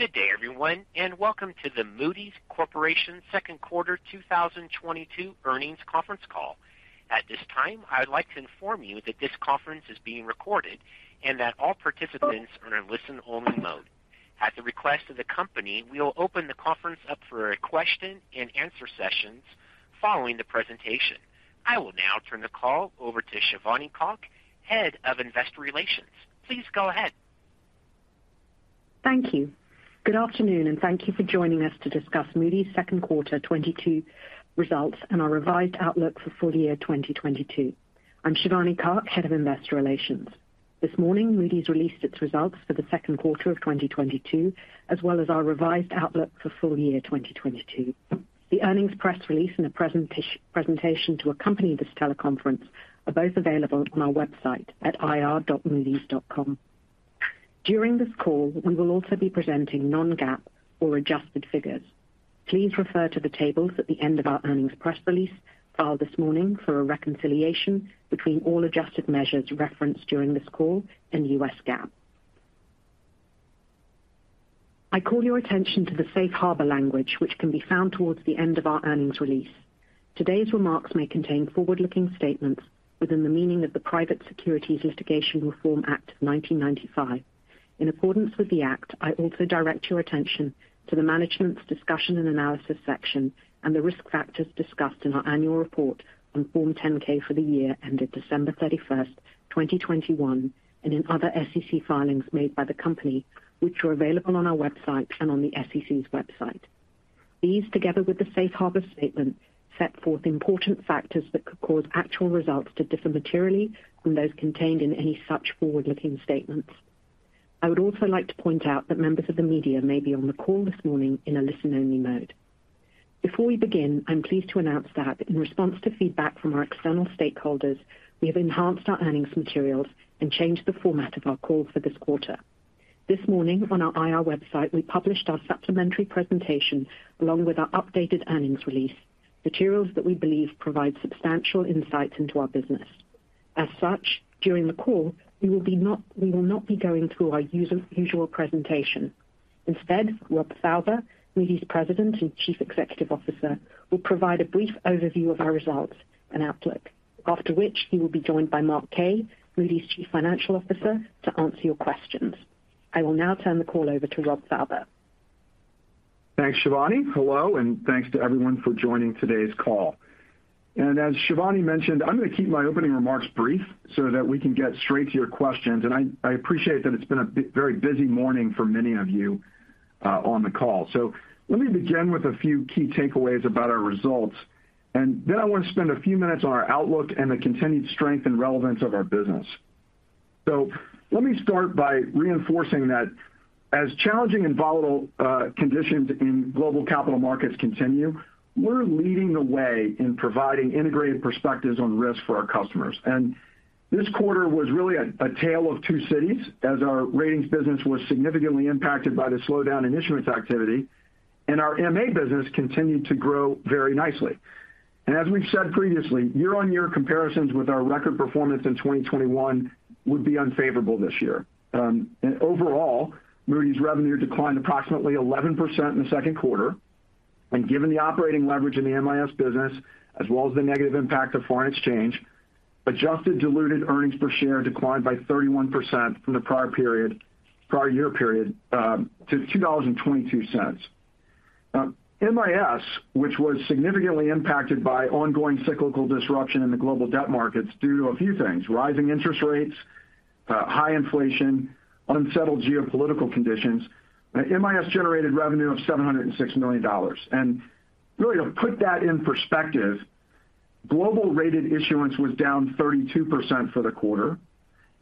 Good day, everyone, and welcome to the Moody's Corporation Second Quarter 2022 Earnings Conference Call. At this time, I would like to inform you that this conference is being recorded and that all participants are in listen-only mode. At the request of the company, we will open the conference up for a question-and-answer session following the presentation. I will now turn the call over to Shivani Kak, Head of Investor Relations. Please go ahead. Thank you. Good afternoon, and thank you for joining us to discuss Moody's Second Quarter 2022 results and our revised outlook for full year 2022. I'm Shivani Kak, Head of Investor Relations. This morning, Moody's released its results for the second quarter of 2022, as well as our revised outlook for full year 2022. The earnings press release and the presentation to accompany this teleconference are both available on our website at ir.moodys.com. During this call, we will also be presenting non-GAAP or adjusted figures. Please refer to the tables at the end of our earnings press release filed this morning for a reconciliation between all adjusted measures referenced during this call and U.S. GAAP. I call your attention to the safe harbor language, which can be found towards the end of our earnings release. Today's remarks may contain forward-looking statements within the meaning of the Private Securities Litigation Reform Act of 1995. In accordance with the Act, I also direct your attention to the Management's Discussion and Analysis section and the risk factors discussed in our annual report on Form 10-K for the year ended December 31, 2021, and in other SEC filings made by the company, which are available on our website and on the SEC's website. These, together with the Safe Harbor Statement, set forth important factors that could cause actual results to differ materially from those contained in any such forward-looking statements. I would also like to point out that members of the media may be on the call this morning in a listen-only mode. Before we begin, I'm pleased to announce that in response to feedback from our external stakeholders, we have enhanced our earnings materials and changed the format of our call for this quarter. This morning on our IR website, we published our supplementary presentation along with our updated earnings release, materials that we believe provide substantial insights into our business. As such, during the call, we will not be going through our usual presentation. Instead, Rob Fauber, Moody's President and Chief Executive Officer, will provide a brief overview of our results and outlook. After which, he will be joined by Mark Kaye, Moody's Chief Financial Officer, to answer your questions. I will now turn the call over to Rob Fauber. Thanks, Shivani. Hello, and thanks to everyone for joining today's call. As Shivani mentioned, I'm gonna keep my opening remarks brief so that we can get straight to your questions. I appreciate that it's been a very busy morning for many of you on the call. Let me begin with a few key takeaways about our results, and then I want to spend a few minutes on our outlook and the continued strength and relevance of our business. Let me start by reinforcing that as challenging and volatile conditions in global capital markets continue, we're leading the way in providing integrated perspectives on risk for our customers. This quarter was really a tale of two cities as our ratings business was significantly impacted by the slowdown in issuance activity, and our MA business continued to grow very nicely. As we've said previously, year-on-year comparisons with our record performance in 2021 would be unfavorable this year. Overall, Moody's revenue declined approximately 11% in the second quarter. Given the operating leverage in the MIS business as well as the negative impact of foreign exchange, adjusted diluted earnings per share declined by 31% from the prior year period to $2.22. MIS, which was significantly impacted by ongoing cyclical disruption in the global debt markets due to a few things, rising interest rates, high inflation, unsettled geopolitical conditions. MIS generated revenue of $706 million. Really to put that in perspective, global rated issuance was down 32% for the quarter,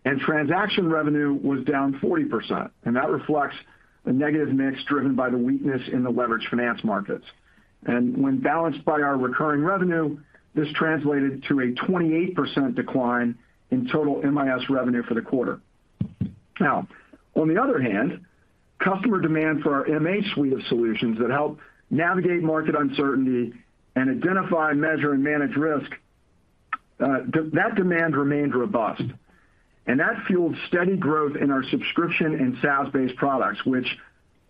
and transaction revenue was down 40%, and that reflects a negative mix driven by the weakness in the leveraged finance markets. When balanced by our recurring revenue, this translated to a 28% decline in total MIS revenue for the quarter. Now, on the other hand, customer demand for our MA suite of solutions that help navigate market uncertainty and identify, measure, and manage risk, that demand remained robust, and that fueled steady growth in our subscription and SaaS-based products, which,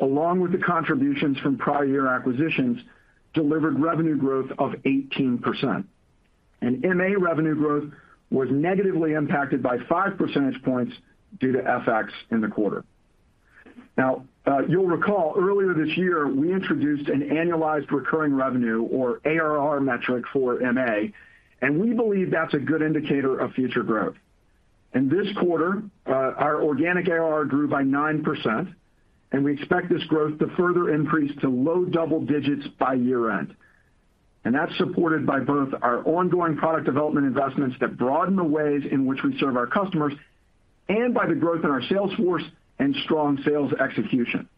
along with the contributions from prior year acquisitions, delivered revenue growth of 18%. MA revenue growth was negatively impacted by five percentage points due to FX in the quarter. Now, you'll recall earlier this year, we introduced an annualized recurring revenue or ARR metric for MA, and we believe that's a good indicator of future growth. In this quarter, our organic ARR grew by 9%, and we expect this growth to further increase to low double digits by year-end. That's supported by both our ongoing product development investments that broaden the ways in which we serve our customers and by the growth in our sales force and strong sales execution.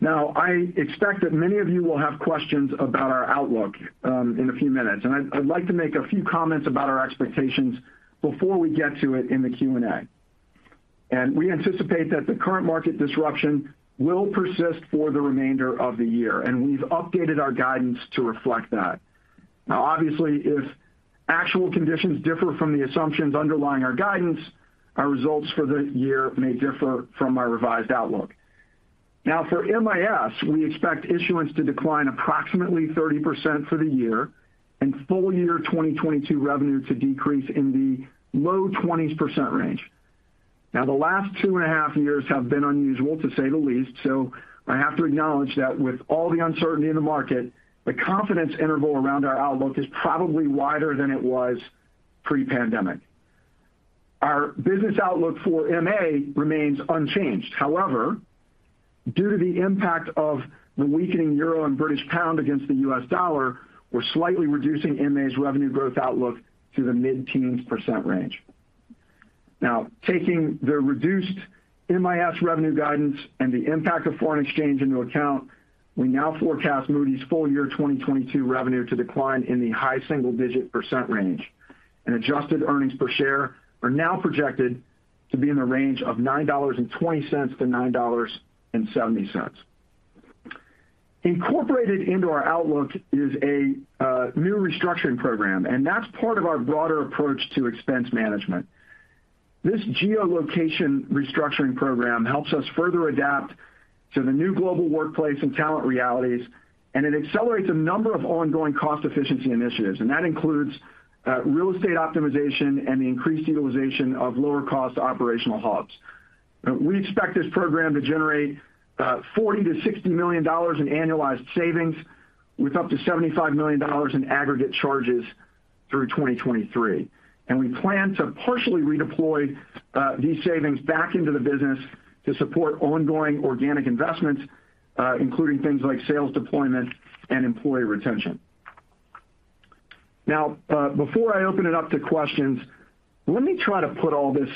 Now, I expect that many of you will have questions about our outlook, in a few minutes. I'd like to make a few comments about our expectations before we get to it in the Q&A. We anticipate that the current market disruption will persist for the remainder of the year, and we've updated our guidance to reflect that. Now obviously, if actual conditions differ from the assumptions underlying our guidance, our results for the year may differ from our revised outlook. Now for MIS, we expect issuance to decline approximately 30% for the year and full-year 2022 revenue to decrease in the low 20s% range. Now the last 2.5 years have been unusual, to say the least. I have to acknowledge that with all the uncertainty in the market, the confidence interval around our outlook is probably wider than it was pre-pandemic. Our business outlook for MA remains unchanged. However, due to the impact of the weakening euro and British pound against the US dollar, we're slightly reducing MA's revenue growth outlook to the mid-teens percent range. Now, taking the reduced MIS revenue guidance and the impact of foreign exchange into account, we now forecast Moody's full-year 2022 revenue to decline in the high single-digit percent range. Adjusted earnings per share are now projected to be in the range of $9.20 to $9.70. Incorporated into our outlook is a new restructuring program, and that's part of our broader approach to expense management. This Geolocation Restructuring Program helps us further adapt to the new global workplace and talent realities, and it accelerates a number of ongoing cost efficiency initiatives. That includes real estate optimization and the increased utilization of lower-cost operational hubs. We expect this program to generate $40 million-$60 million in annualized savings with up to $75 million in aggregate charges through 2023. We plan to partially redeploy these savings back into the business to support ongoing organic investments, including things like sales deployment and employee retention. Now, before I open it up to questions, let me try to put all this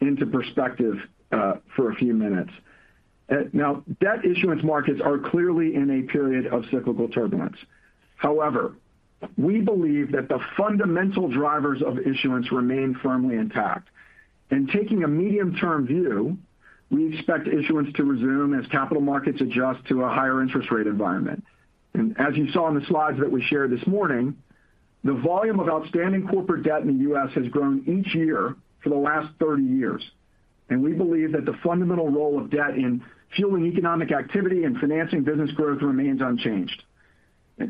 into perspective for a few minutes. Now debt issuance markets are clearly in a period of cyclical turbulence. However, we believe that the fundamental drivers of issuance remain firmly intact. Taking a medium-term view, we expect issuance to resume as capital markets adjust to a higher interest rate environment. As you saw in the slides that we shared this morning, the volume of outstanding corporate debt in the U.S. has grown each year for the last 30 years. We believe that the fundamental role of debt in fueling economic activity and financing business growth remains unchanged.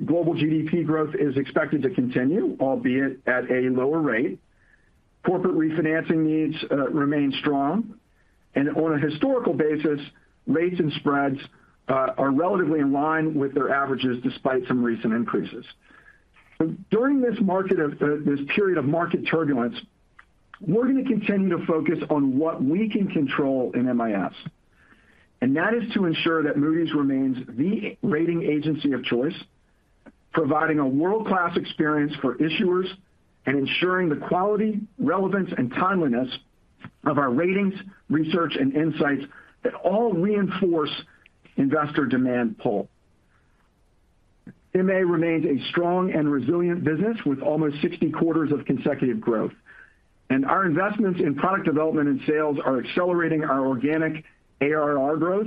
Global GDP growth is expected to continue, albeit at a lower rate. Corporate refinancing needs remain strong. On a historical basis, rates and spreads are relatively in line with their averages despite some recent increases. During this period of market turbulence, we're going to continue to focus on what we can control in MIS. That is to ensure that Moody's remains the rating agency of choice, providing a world-class experience for issuers and ensuring the quality, relevance, and timeliness of our ratings, research, and insights that all reinforce investor demand pull. MA remains a strong and resilient business with almost 60 quarters of consecutive growth. Our investments in product development and sales are accelerating our organic ARR growth,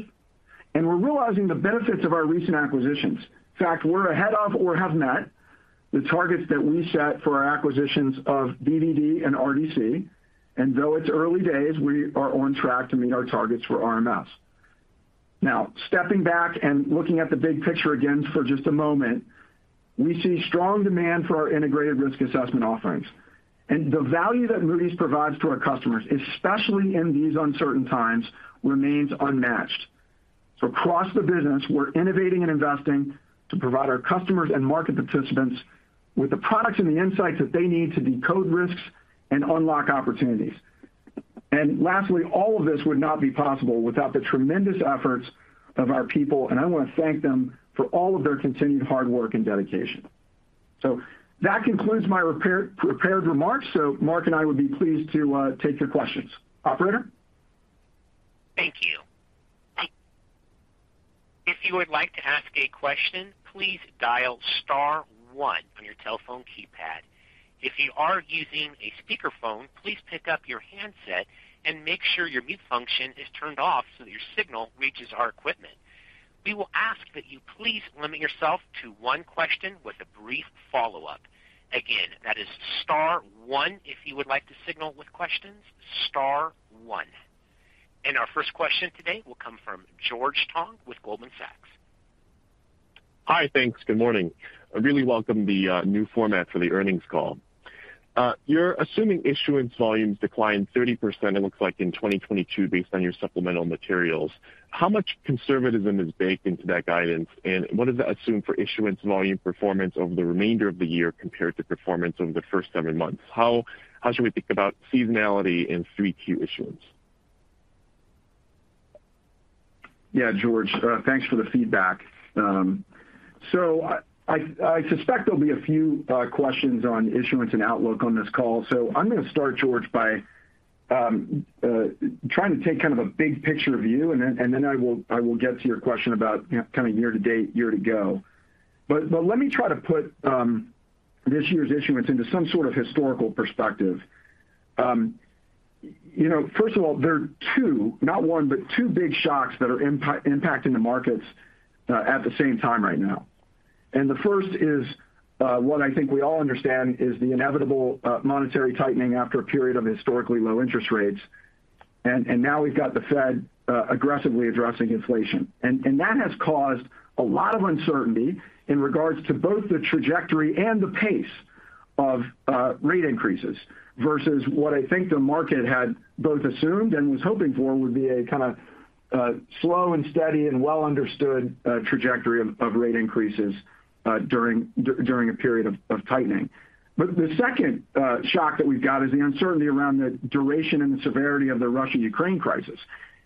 and we're realizing the benefits of our recent acquisitions. In fact, we're ahead of or have met the targets that we set for our acquisitions of BDD and RDC. Though it's early days, we are on track to meet our targets for RMS. Now, stepping back and looking at the big picture again for just a moment, we see strong demand for our integrated risk assessment offerings. The value that Moody's provides to our customers, especially in these uncertain times, remains unmatched. Across the business, we're innovating and investing to provide our customers and market participants with the products and the insights that they need to decode risks and unlock opportunities. Lastly, all of this would not be possible without the tremendous efforts of our people, and I want to thank them for all of their continued hard work and dedication. That concludes my prepared remarks. Mark and I would be pleased to take your questions. Operator? Thank you. If you would like to ask a question, please dial star one on your telephone keypad. If you are using a speakerphone, please pick up your handset and make sure your mute function is turned off so that your signal reaches our equipment. We will ask that you please limit yourself to one question with a brief follow-up. Again, that is star one if you would like to signal with questions, star one. Our first question today will come from George Tong with Goldman Sachs. Good morning. I really welcome the new format for the earnings call. You're assuming issuance volumes decline 30% it looks like in 2022 based on your supplemental materials. How much conservatism is baked into that guidance? What is the assumption for issuance volume performance over the remainder of the year compared to performance over the first seven months? How should we think about seasonality in 3Q issuance? Yeah, George, thanks for the feedback. I suspect there'll be a few questions on issuance and outlook on this call. I'm going to start, George, by trying to take kind of a big picture view, and then I will get to your question about, you know, kind of year to date, year to go. Let me try to put this year's issuance into some sort of historical perspective. You know, first of all, there are two, not one, but two big shocks that are impacting the markets at the same time right now. The first is what I think we all understand is the inevitable monetary tightening after a period of historically low interest rates. Now we've got the Fed aggressively addressing inflation. That has caused a lot of uncertainty in regards to both the trajectory and the pace of rate increases versus what I think the market had both assumed and was hoping for would be a kinda slow and steady and well understood trajectory of rate increases during a period of tightening. The second shock that we've got is the uncertainty around the duration and the severity of the Russia-Ukraine crisis.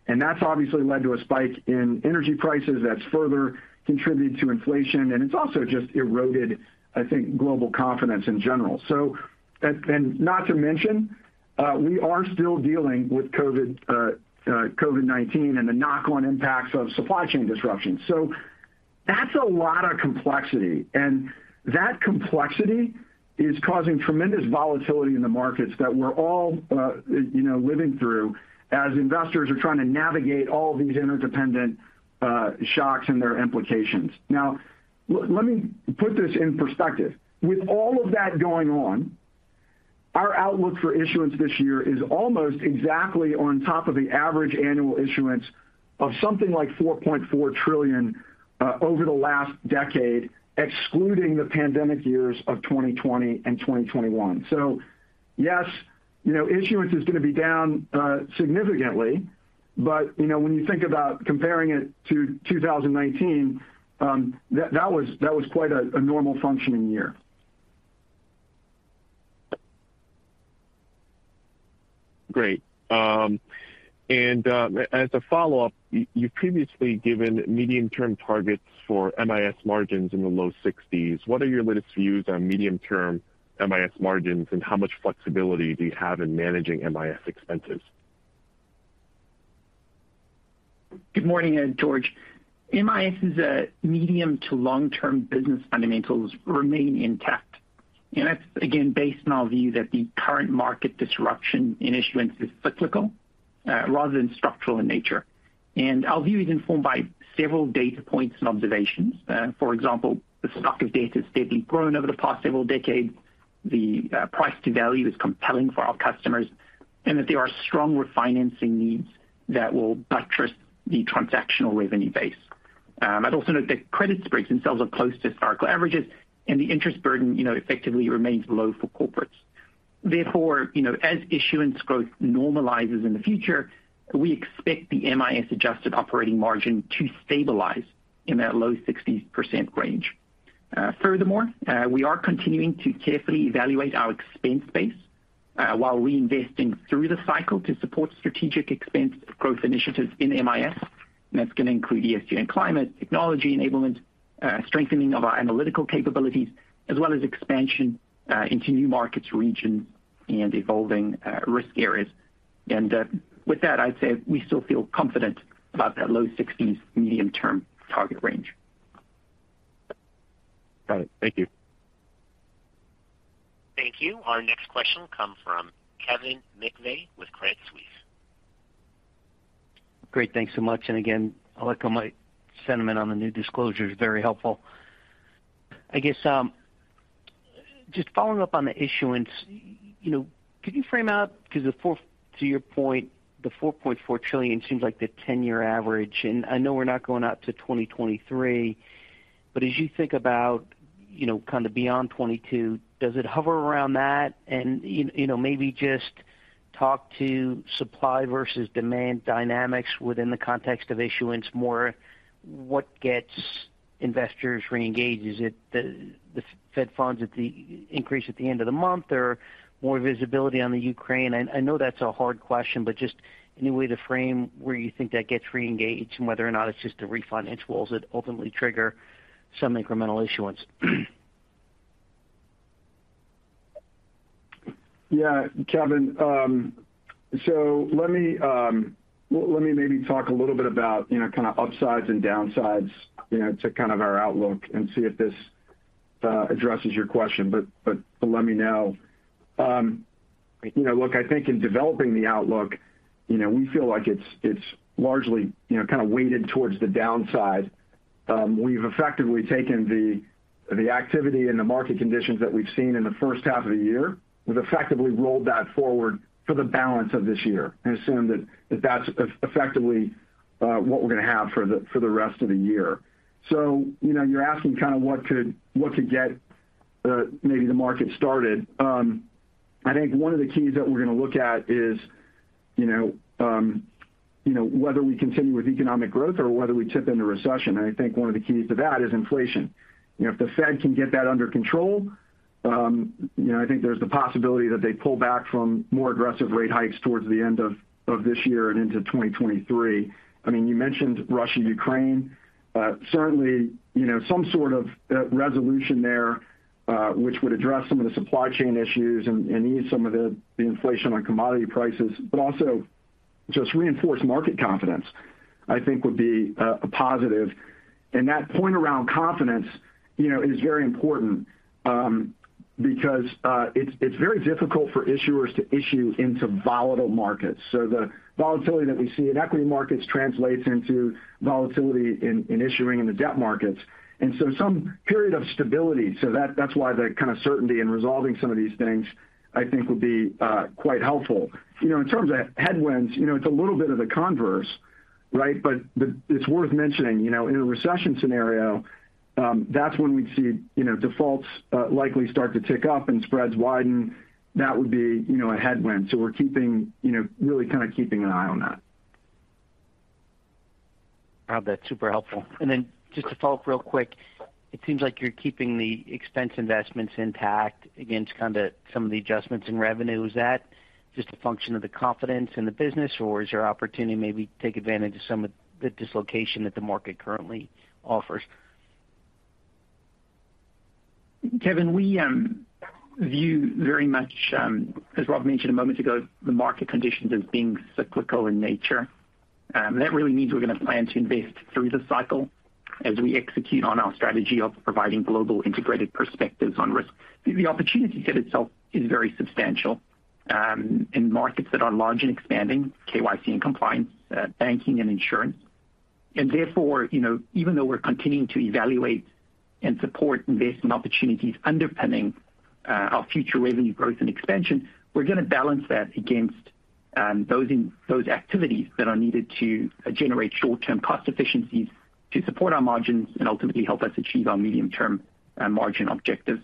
That's obviously led to a spike in energy prices that's further contributed to inflation, and it's also just eroded, I think, global confidence in general. Not to mention, we are still dealing with COVID-19 and the knock-on impacts of supply chain disruptions. That's a lot of complexity. That complexity is causing tremendous volatility in the markets that we're all, you know, living through as investors are trying to navigate all these interdependent shocks and their implications. Now, let me put this in perspective. With all of that going on, our outlook for issuance this year is almost exactly on top of the average annual issuance of something like $4.4 trillion over the last decade, excluding the pandemic years of 2020 and 2021. Yes, you know, issuance is gonna be down significantly, but, you know, when you think about comparing it to 2019, that was quite a normal functioning year. Great. As a follow-up, you've previously given medium-term targets for MIS margins in the low 60s. What are your latest views on medium-term MIS margins, and how much flexibility do you have in managing MIS expenses? Good morning, George. MIS's medium to long-term business fundamentals remain intact. That's again based on our view that the current market disruption in issuance is cyclical rather than structural in nature. Our view is informed by several data points and observations. For example, the stock of debt has steadily grown over the past several decades. The price to value is compelling for our customers, and that there are strong refinancing needs that will buttress the transactional revenue base. I'd also note that credit spreads themselves are close to historical averages, and the interest burden, you know, effectively remains low for corporates. Therefore, you know, as issuance growth normalizes in the future, we expect the MIS-adjusted operating margin to stabilize in that low 60% range. Furthermore, we are continuing to carefully evaluate our expense base, while reinvesting through the cycle to support strategic expense growth initiatives in MIS. That's gonna include ESG and climate, technology enablement, strengthening of our analytical capabilities, as well as expansion into new markets, regions, and evolving risk areas. With that, I'd say we still feel confident about that low sixties medium-term target range. Got it. Thank you. Thank you. Our next question comes from Kevin McVeigh with Credit Suisse. Great. Thanks so much. Again, I'd like to make a statement on the new disclosures very helpful. I guess, just following up on the issuance, you know, could you frame out, 'cause to your point, the $4.4 trillion seems like the ten-year average. I know we're not going out to 2023, but as you think about, you know, kinda beyond 2022, does it hover around that? You know, maybe just talk to supply versus demand dynamics within the context of issuance more, what gets investors reengaged? Is it the Fed funds rate increase at the end of the month or more visibility on Ukraine? I know that's a hard question, but just any way to frame where you think that gets reengaged and whether or not it's just the refinancings that ultimately trigger some incremental issuance. Yeah. Kevin, so let me maybe talk a little bit about, you know, kinda upsides and downsides, you know, to kind of our outlook and see if this addresses your question. Let me know. You know, look, I think in developing the outlook, you know, we feel like it's largely, you know, kinda weighted towards the downside. We've effectively taken the activity and the market conditions that we've seen in the first half of the year. We've effectively rolled that forward for the balance of this year and assume that that's effectively what we're gonna have for the rest of the year. You know, you're asking kinda what could get maybe the market started. I think one of the keys that we're gonna look at is, you know, whether we continue with economic growth or whether we tip into recession. I think one of the keys to that is inflation. You know, if the Fed can get that under control, you know, I think there's the possibility that they pull back from more aggressive rate hikes towards the end of this year and into 2023. I mean, you mentioned Russia-Ukraine. Certainly, you know, some sort of resolution there, which would address some of the supply chain issues and ease some of the inflation on commodity prices. Also just reinforce market confidence, I think would be a positive. That point around confidence, you know, is very important, because it's very difficult for issuers to issue into volatile markets. The volatility that we see in equity markets translates into volatility in issuing in the debt markets. Some period of stability. That's why the kind of certainty in resolving some of these things, I think, will be quite helpful. You know, in terms of headwinds, you know, it's a little bit of a converse, right? It's worth mentioning, you know, in a recession scenario, that's when we'd see, you know, defaults likely start to tick up and spreads widen. That would be, you know, a headwind. We're keeping, you know, really kind of keeping an eye on that. Rob, that's super helpful. Just to follow up real quick, it seems like you're keeping the expense investments intact against kind of some of the adjustments in revenue. Is that just a function of the confidence in the business, or is there opportunity to maybe take advantage of some of the dislocation that the market currently offers? Kevin, we view very much, as Rob mentioned a moment ago, the market conditions as being cyclical in nature. That really means we're gonna plan to invest through the cycle as we execute on our strategy of providing global integrated perspectives on risk. The opportunity set itself is very substantial, in markets that are large and expanding, KYC and compliance, banking and insurance. Therefore, you know, even though we're continuing to evaluate and support investment opportunities underpinning, our future revenue growth and expansion, we're gonna balance that against, those activities that are needed to generate short-term cost efficiencies to support our margins and ultimately help us achieve our medium-term, margin objectives.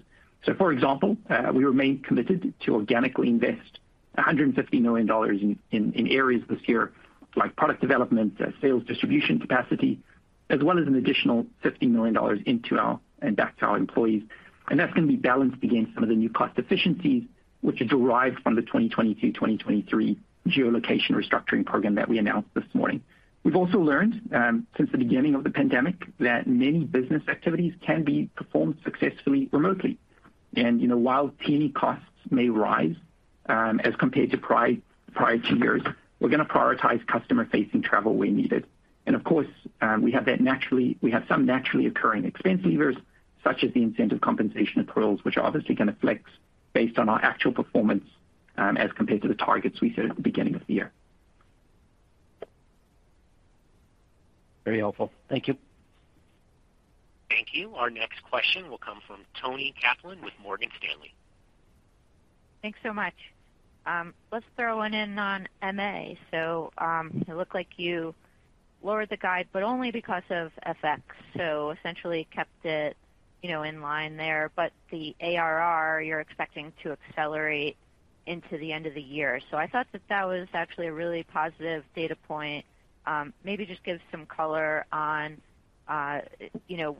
For example, we remain committed to organically invest $150 million in areas this year like product development, sales distribution capacity, as well as an additional $50 million into our and back to our employees. That's gonna be balanced against some of the new cost efficiencies which are derived from the 2022-2023 Geolocation Restructuring Program that we announced this morning. We've also learned since the beginning of the pandemic that many business activities can be performed successfully remotely. You know, while T&E costs may rise as compared to prior two years, we're gonna prioritize customer-facing travel where needed. Of course, we have that naturally. We have some naturally occurring expense levers such as the incentive compensation accruals, which are obviously gonna flex based on our actual performance, as compared to the targets we set at the beginning of the year. Very helpful. Thank you. Thank you. Our next question will come from Toni Kaplan with Morgan Stanley. Thanks so much. Let's throw one in on MA. It looked like you lowered the guide, but only because of FX. Essentially kept it, you know, in line there. The ARR, you're expecting to accelerate into the end of the year. I thought that that was actually a really positive data point. Maybe just give some color on, you know,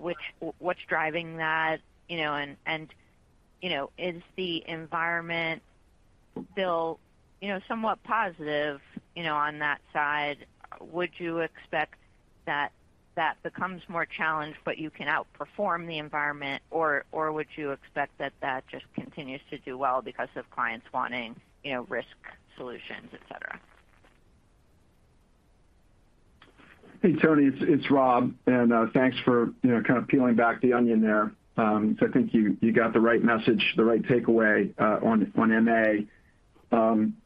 what's driving that, you know, and, you know, is the environment still, you know, somewhat positive, you know, on that side? Would you expect that that becomes more challenged, but you can outperform the environment, or would you expect that that just continues to do well because of clients wanting, you know, risk solutions, et cetera? Hey, Toni, it's Rob, thanks for you know kind of peeling back the onion there. So I think you got the right message, the right takeaway on MA.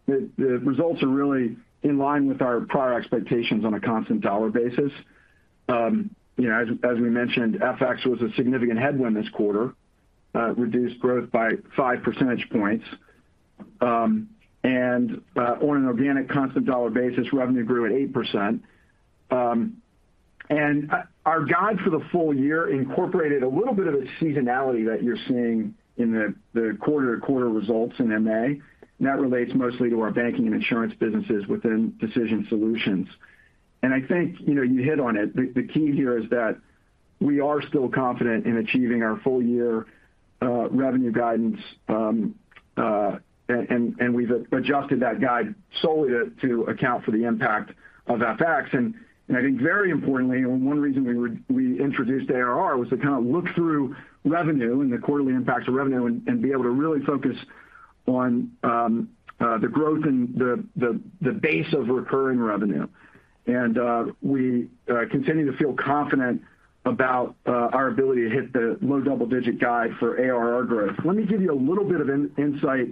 The results are really in line with our prior expectations on a constant dollar basis. You know, as we mentioned, FX was a significant headwind this quarter, reduced growth by five percentage points. And on an organic constant dollar basis, revenue grew at 8%. And our guide for the full year incorporated a little bit of a seasonality that you're seeing in the quarter-to-quarter results in MA, and that relates mostly to our banking and insurance businesses within Decision Solutions. I think you know you hit on it. The key here is that we are still confident in achieving our full year revenue guidance. We've adjusted that guide solely to account for the impact of FX. I think very importantly, and one reason we introduced ARR was to kind of look through revenue and the quarterly impacts of revenue and be able to really focus on the growth in the base of recurring revenue. We continue to feel confident about our ability to hit the low double-digit guide for ARR growth. Let me give you a little bit of insight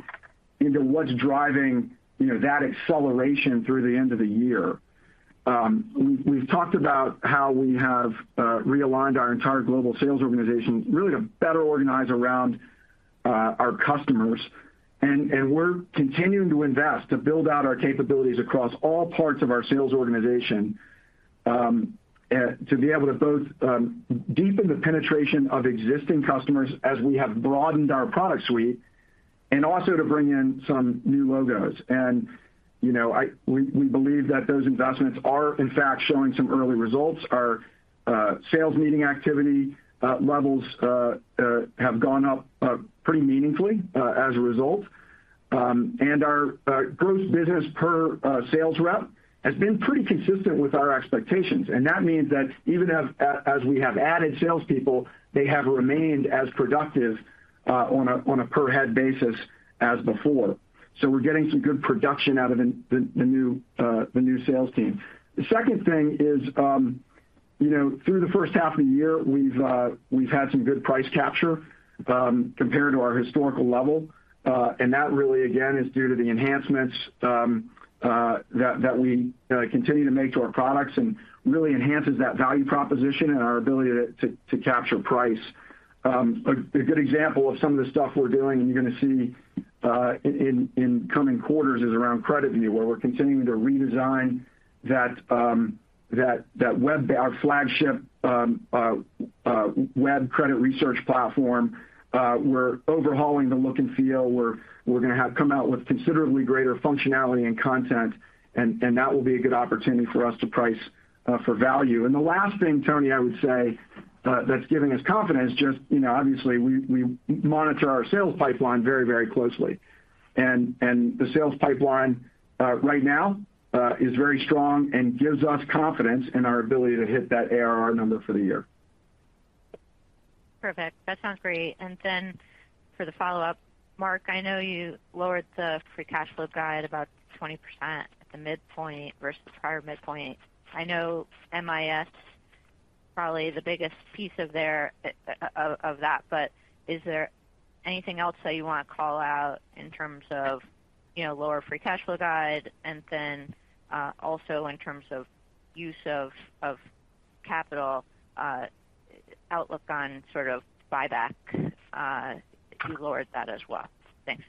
into what's driving, you know, that acceleration through the end of the year. We've talked about how we have realigned our entire global sales organization really to better organize around our customers. We're continuing to invest to build out our capabilities across all parts of our sales organization to be able to both deepen the penetration of existing customers as we have broadened our product suite and also to bring in some new logos. You know, we believe that those investments are in fact showing some early results. Our sales meeting activity levels have gone up pretty meaningfully as a result. Our gross business per sales rep has been pretty consistent with our expectations. That means that even as we have added salespeople, they have remained as productive on a per head basis as before. We're getting some good production out of the new sales team. The second thing is, you know, through the first half of the year, we've had some good price capture, compared to our historical level. That really, again, is due to the enhancements that we continue to make to our products and really enhances that value proposition and our ability to capture price. A good example of some of the stuff we're doing, and you're gonna see in coming quarters, is around CreditView, where we're continuing to redesign that web-based flagship web credit research platform. We're overhauling the look and feel. We're gonna have come out with considerably greater functionality and content, and that will be a good opportunity for us to price for value. The last thing, Toni, I would say, that's giving us confidence just, you know, obviously, we monitor our sales pipeline very, very closely. The sales pipeline right now is very strong and gives us confidence in our ability to hit that ARR number for the year. Perfect. That sounds great. For the follow-up, Mark, I know you lowered the free cash flow guide about 20% at the midpoint versus prior midpoint. I know MIS probably the biggest piece of there, of that, but is there anything else that you wanna call out in terms of, you know, lower free cash flow guide, and then, also in terms of use of capital, outlook on sort of buyback, you lowered that as well. Thanks.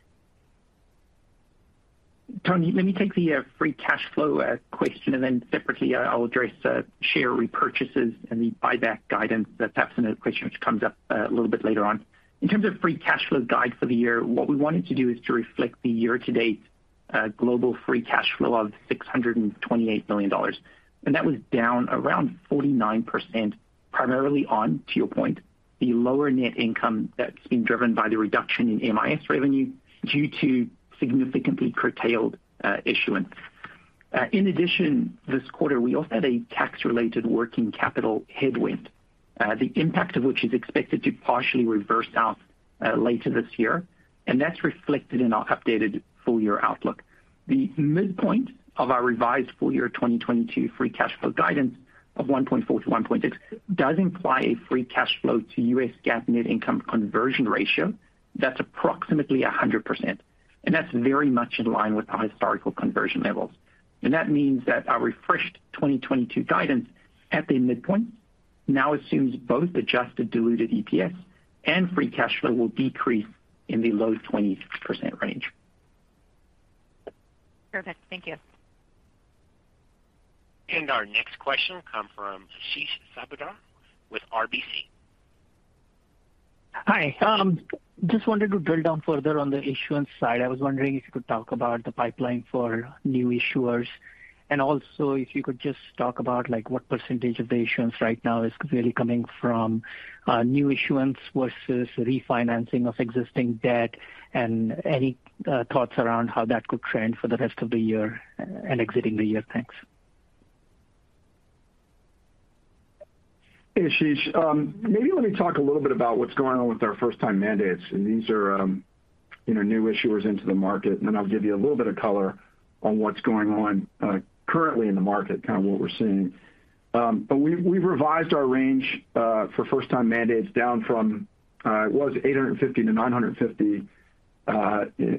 Toni, let me take the free cash flow question, and then separately, I'll address the share repurchases and the buyback guidance. That's absolutely a question which comes up a little bit later on. In terms of free cash flow guide for the year, what we wanted to do is to reflect the year-to-date global free cash flow of $628 million. That was down around 49%, primarily on, to your point, the lower net income that's been driven by the reduction in MIS revenue due to significantly curtailed issuance. In addition, this quarter, we also had a tax-related working capital headwind, the impact of which is expected to partially reverse out later this year. That's reflected in our updated full year outlook. The midpoint of our revised full year 2022 free cash flow guidance of $1.4-$1.6 does imply a free cash flow to U.S. GAAP net income conversion ratio that's approximately 100%. That means that our refreshed 2022 guidance at the midpoint now assumes both adjusted diluted EPS and free cash flow will decrease in the low 20% range. Perfect. Thank you. Our next question comes from Ashish Sabadra with RBC. Hi. Just wanted to drill down further on the issuance side. I was wondering if you could talk about the pipeline for new issuers. Also, if you could just talk about, like, what percentage of the issuance right now is really coming from new issuance versus refinancing of existing debt, and any thoughts around how that could trend for the rest of the year and exiting the year. Thanks. Hey, Ashish. Maybe let me talk a little bit about what's going on with our first time mandates, and these are, you know, new issuers into the market, and then I'll give you a little bit of color on what's going on, currently in the market, kind of what we're seeing. We've revised our range for first time mandates down from, it was 850-950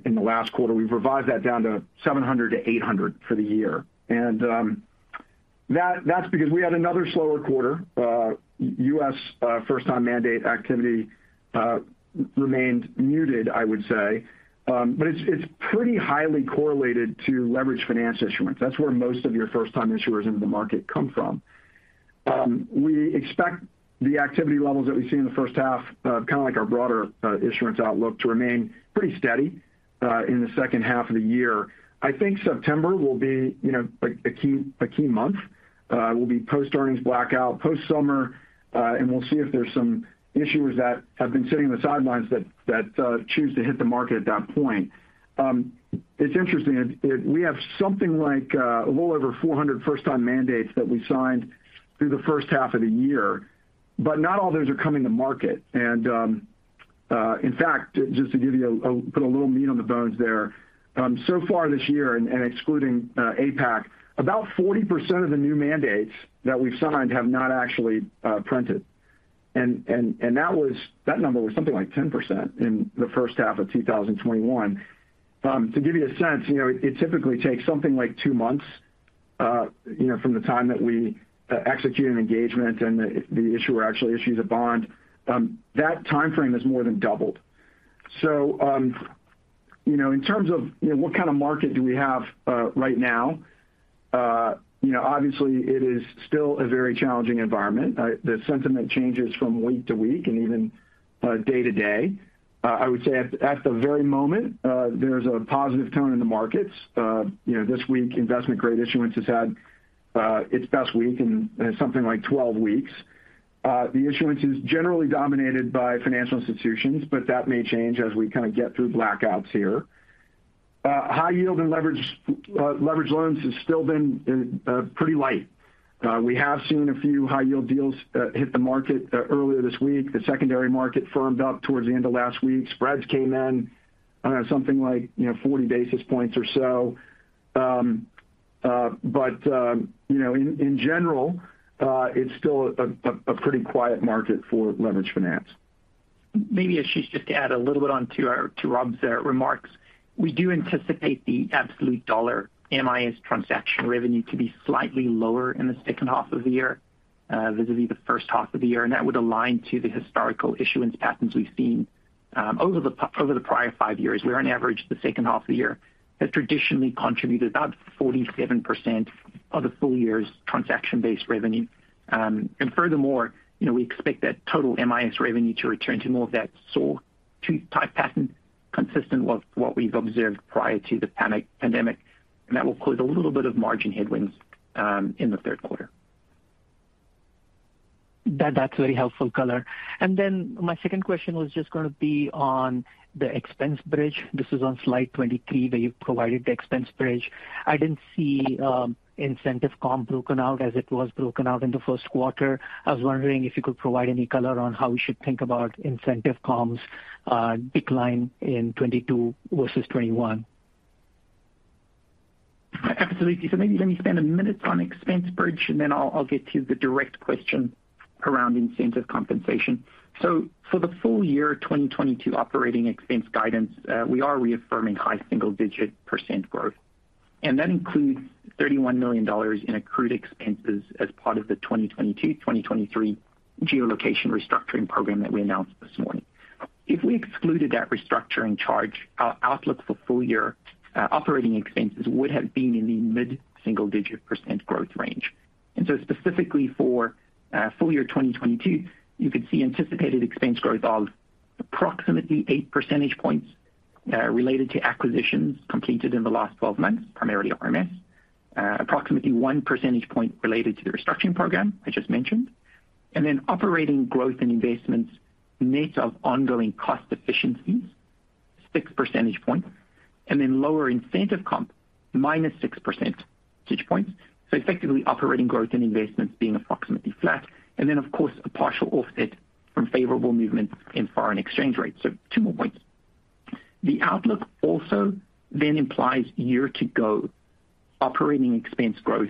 in the last quarter. We've revised that down to 700-800 for the year. That's because we had another slower quarter. U.S. first time mandate activity remained muted, I would say. It's pretty highly correlated to leveraged finance issuance. That's where most of your first time issuers into the market come from. We expect the activity levels that we've seen in the first half, kinda like our broader issuance outlook to remain pretty steady in the second half of the year. I think September will be, you know, a key month. It will be post earnings blackout, post summer, and we'll see if there's some issuers that have been sitting on the sidelines that choose to hit the market at that point. It's interesting. We have something like a little over 400 first time mandates that we signed through the first half of the year, but not all those are coming to market. In fact, just to give you a... Put a little meat on the bones there, so far this year and excluding APAC, about 40% of the new mandates that we've signed have not actually printed. That number was something like 10% in the first half of 2021. To give you a sense, you know, it typically takes something like two months, you know, from the time that we execute an engagement and the issuer actually issues a bond. That timeframe has more than doubled. You know, in terms of what kind of market do we have right now, you know, obviously, it is still a very challenging environment. The sentiment changes from week to week and even day to day. I would say at the very moment, there's a positive tone in the markets. You know, this week, investment-grade issuance has had its best week in something like 12 weeks. The issuance is generally dominated by financial institutions, but that may change as we kinda get through blackouts here. High-yield and leveraged loans has still been pretty light. We have seen a few high-yield deals hit the market earlier this week. The secondary market firmed up towards the end of last week. Spreads came in something like, you know, 40 basis points or so. But you know, in general, it's still a pretty quiet market for leveraged finance. Maybe, Ashish, just to add a little bit onto our to Rob's remarks. We do anticipate the absolute dollar MIS transaction revenue to be slightly lower in the second half of the year vis-a-vis the first half of the year, and that would align to the historical issuance patterns we've seen over the prior five years, where on average, the second half of the year has traditionally contributed about 47% of the full year's transaction-based revenue. Furthermore, you know, we expect that total MIS revenue to return to more of that saw tooth type pattern consistent with what we've observed prior to the pandemic, and that will cause a little bit of margin headwinds in the third quarter. That's very helpful color. Then my second question was just gonna be on the expense bridge. This is on slide 23, where you've provided the expense bridge. I didn't see incentive comp broken out as it was broken out in the first quarter. I was wondering if you could provide any color on how we should think about incentive comp's decline in 2022 versus 2021. Absolutely. Maybe let me spend a minute on expense bridge, and then I'll get to the direct question around incentive compensation. For the full year 2022 operating expense guidance, we are reaffirming high single-digit percent growth. That includes $31 million in accrued expenses as part of the 2022/2023 Geolocation Restructuring Program that we announced this morning. If we excluded that restructuring charge, our outlook for full year, operating expenses would have been in the mid single-digit percent growth range. Specifically for, full year 2022, you could see anticipated expense growth of approximately 8 percentage points, related to acquisitions completed in the last 12 months, primarily RMS. Approximately 1 percentage point related to the restructuring program I just mentioned. Operating growth and investments net of ongoing cost efficiencies, 6 percentage points, and then lower incentive comp minus 6 percentage points. Effectively operating growth and investments being approximately flat. Of course, a partial offset from favorable movement in foreign exchange rates. Two more points. The outlook also then implies year-over-year operating expense growth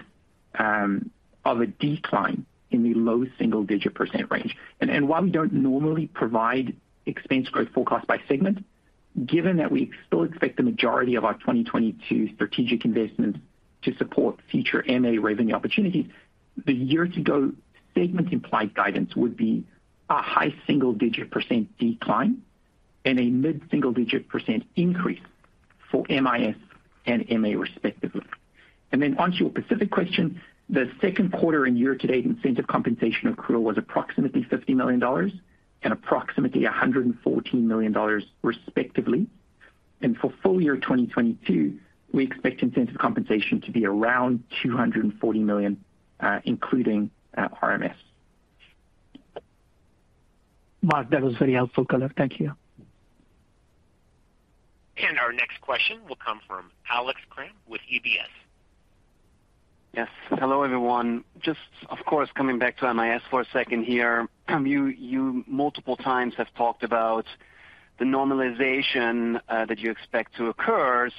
of a decline in the low single-digit percent range. While we don't normally provide expense growth forecast by segment, given that we still expect the majority of our 2022 strategic investments to support future MA revenue opportunities, the year-over-year segment implied guidance would be a high single-digit percent decline and a mid single-digit percent increase for MIS and MA respectively. Onto your specific question, the second quarter and year to date incentive compensation accrual was approximately $50 million and approximately $114 million respectively. For full year 2022, we expect incentive compensation to be around $240 million, including RMS. Mark, that was very helpful color. Thank you. Our next question will come from Alex Kramm with UBS. Yes. Hello, everyone. Just of course, coming back to MIS for a second here. You multiple times have talked about the normalization that you expect to occur.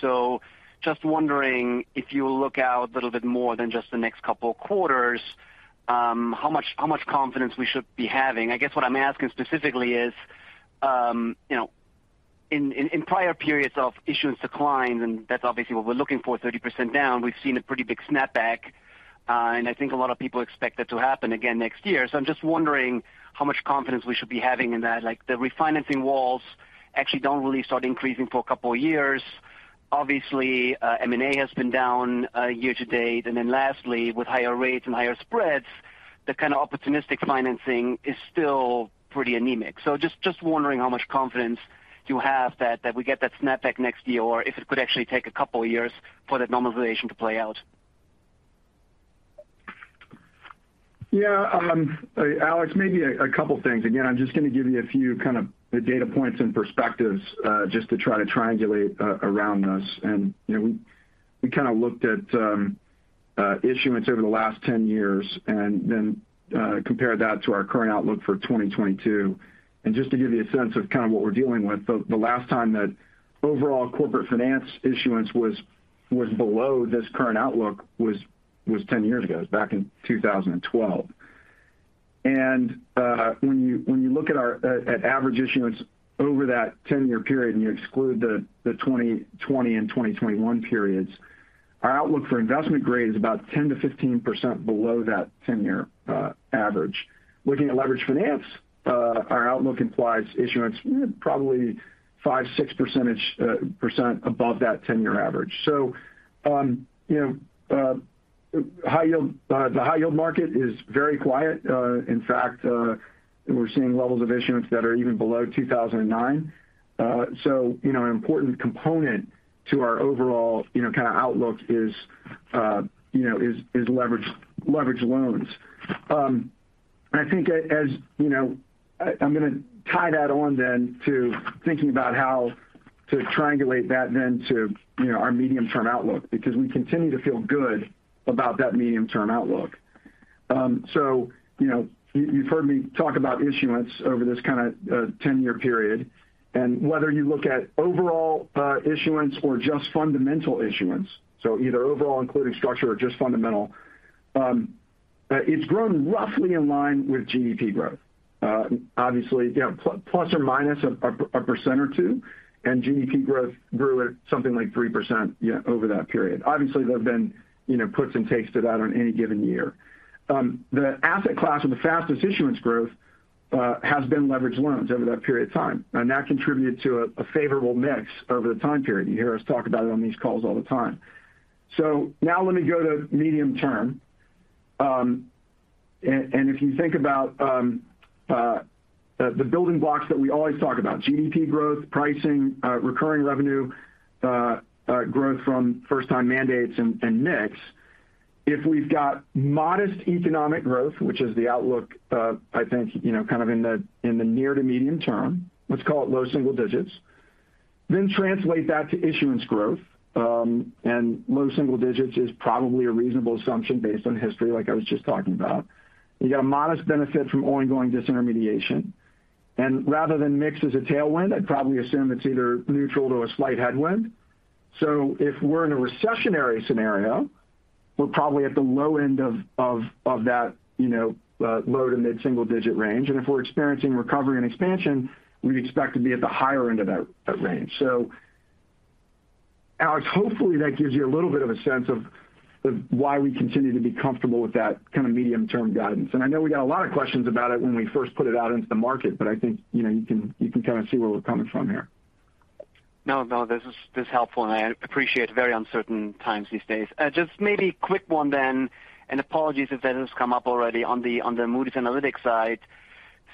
Just wondering if you look out a little bit more than just the next couple of quarters, how much confidence we should be having? I guess what I'm asking specifically is, you know, in prior periods of issuance declines, and that's obviously what we're looking for, 30% down, we've seen a pretty big snapback. I think a lot of people expect that to happen again next year. I'm just wondering how much confidence we should be having in that. Like, the refinancing walls actually don't really start increasing for a couple of years. Obviously, M&A has been down year to date. Lastly, with higher rates and higher spreads, the kind of opportunistic financing is still pretty anemic. Just wondering how much confidence you have that we get that snapback next year, or if it could actually take a couple of years for that normalization to play out. Yeah, Alex, maybe a couple things. Again, I'm just gonna give you a few kind of data points and perspectives, just to try to triangulate around this. You know, we kinda looked at issuance over the last 10 years and then compared that to our current outlook for 2022. Just to give you a sense of kind of what we're dealing with, the last time that overall corporate finance issuance was below this current outlook was 10 years ago. It was back in 2012. When you look at our average issuance over that 10-year period, and you exclude the 2020 and 2021 periods, our outlook for investment grade is about 10%-15% below that 10-year average. Looking at leveraged finance, our outlook implies issuance probably 5-6% above that ten-year average. You know, the high yield market is very quiet. In fact, we're seeing levels of issuance that are even below 2009. You know, an important component to our overall kind of outlook is leveraged loans. I think, you know, I'm gonna tie that on then to thinking about how to triangulate that then to our medium-term outlook, because we continue to feel good about that medium-term outlook. You know, you've heard me talk about issuance over this kind of ten-year period. Whether you look at overall issuance or just fundamental issuance, so either overall including structure or just fundamental, it's grown roughly in line with GDP growth. Obviously, you know, plus or minus a percent or two, and GDP growth grew at something like 3%, yeah, over that period. Obviously, there have been, you know, puts and takes to that on any given year. The asset class with the fastest issuance growth has been leveraged loans over that period of time. That contributed to a favorable mix over the time period. You hear us talk about it on these calls all the time. Now let me go to medium term. If you think about the building blocks that we always talk about, GDP growth, pricing, recurring revenue growth from first time mandates and mix. If we've got modest economic growth, which is the outlook, I think, you know, kind of in the near to medium term, let's call it low single digits, then translate that to issuance growth, and low single digits is probably a reasonable assumption based on history, like I was just talking about. You got a modest benefit from ongoing disintermediation. Rather than mix as a tailwind, I'd probably assume it's either neutral to a slight headwind. If we're in a recessionary scenario, we're probably at the low end of that, you know, low to mid-single digit range. If we're experiencing recovery and expansion, we'd expect to be at the higher end of that range. Alex, hopefully that gives you a little bit of a sense of why we continue to be comfortable with that kinda medium term guidance. I know we got a lot of questions about it when we first put it out into the market, but I think, you know, you can kinda see where we're coming from here. No, no. This is helpful, and I appreciate very uncertain times these days. Just maybe quick one then, and apologies if that has come up already on the Moody's Analytics side.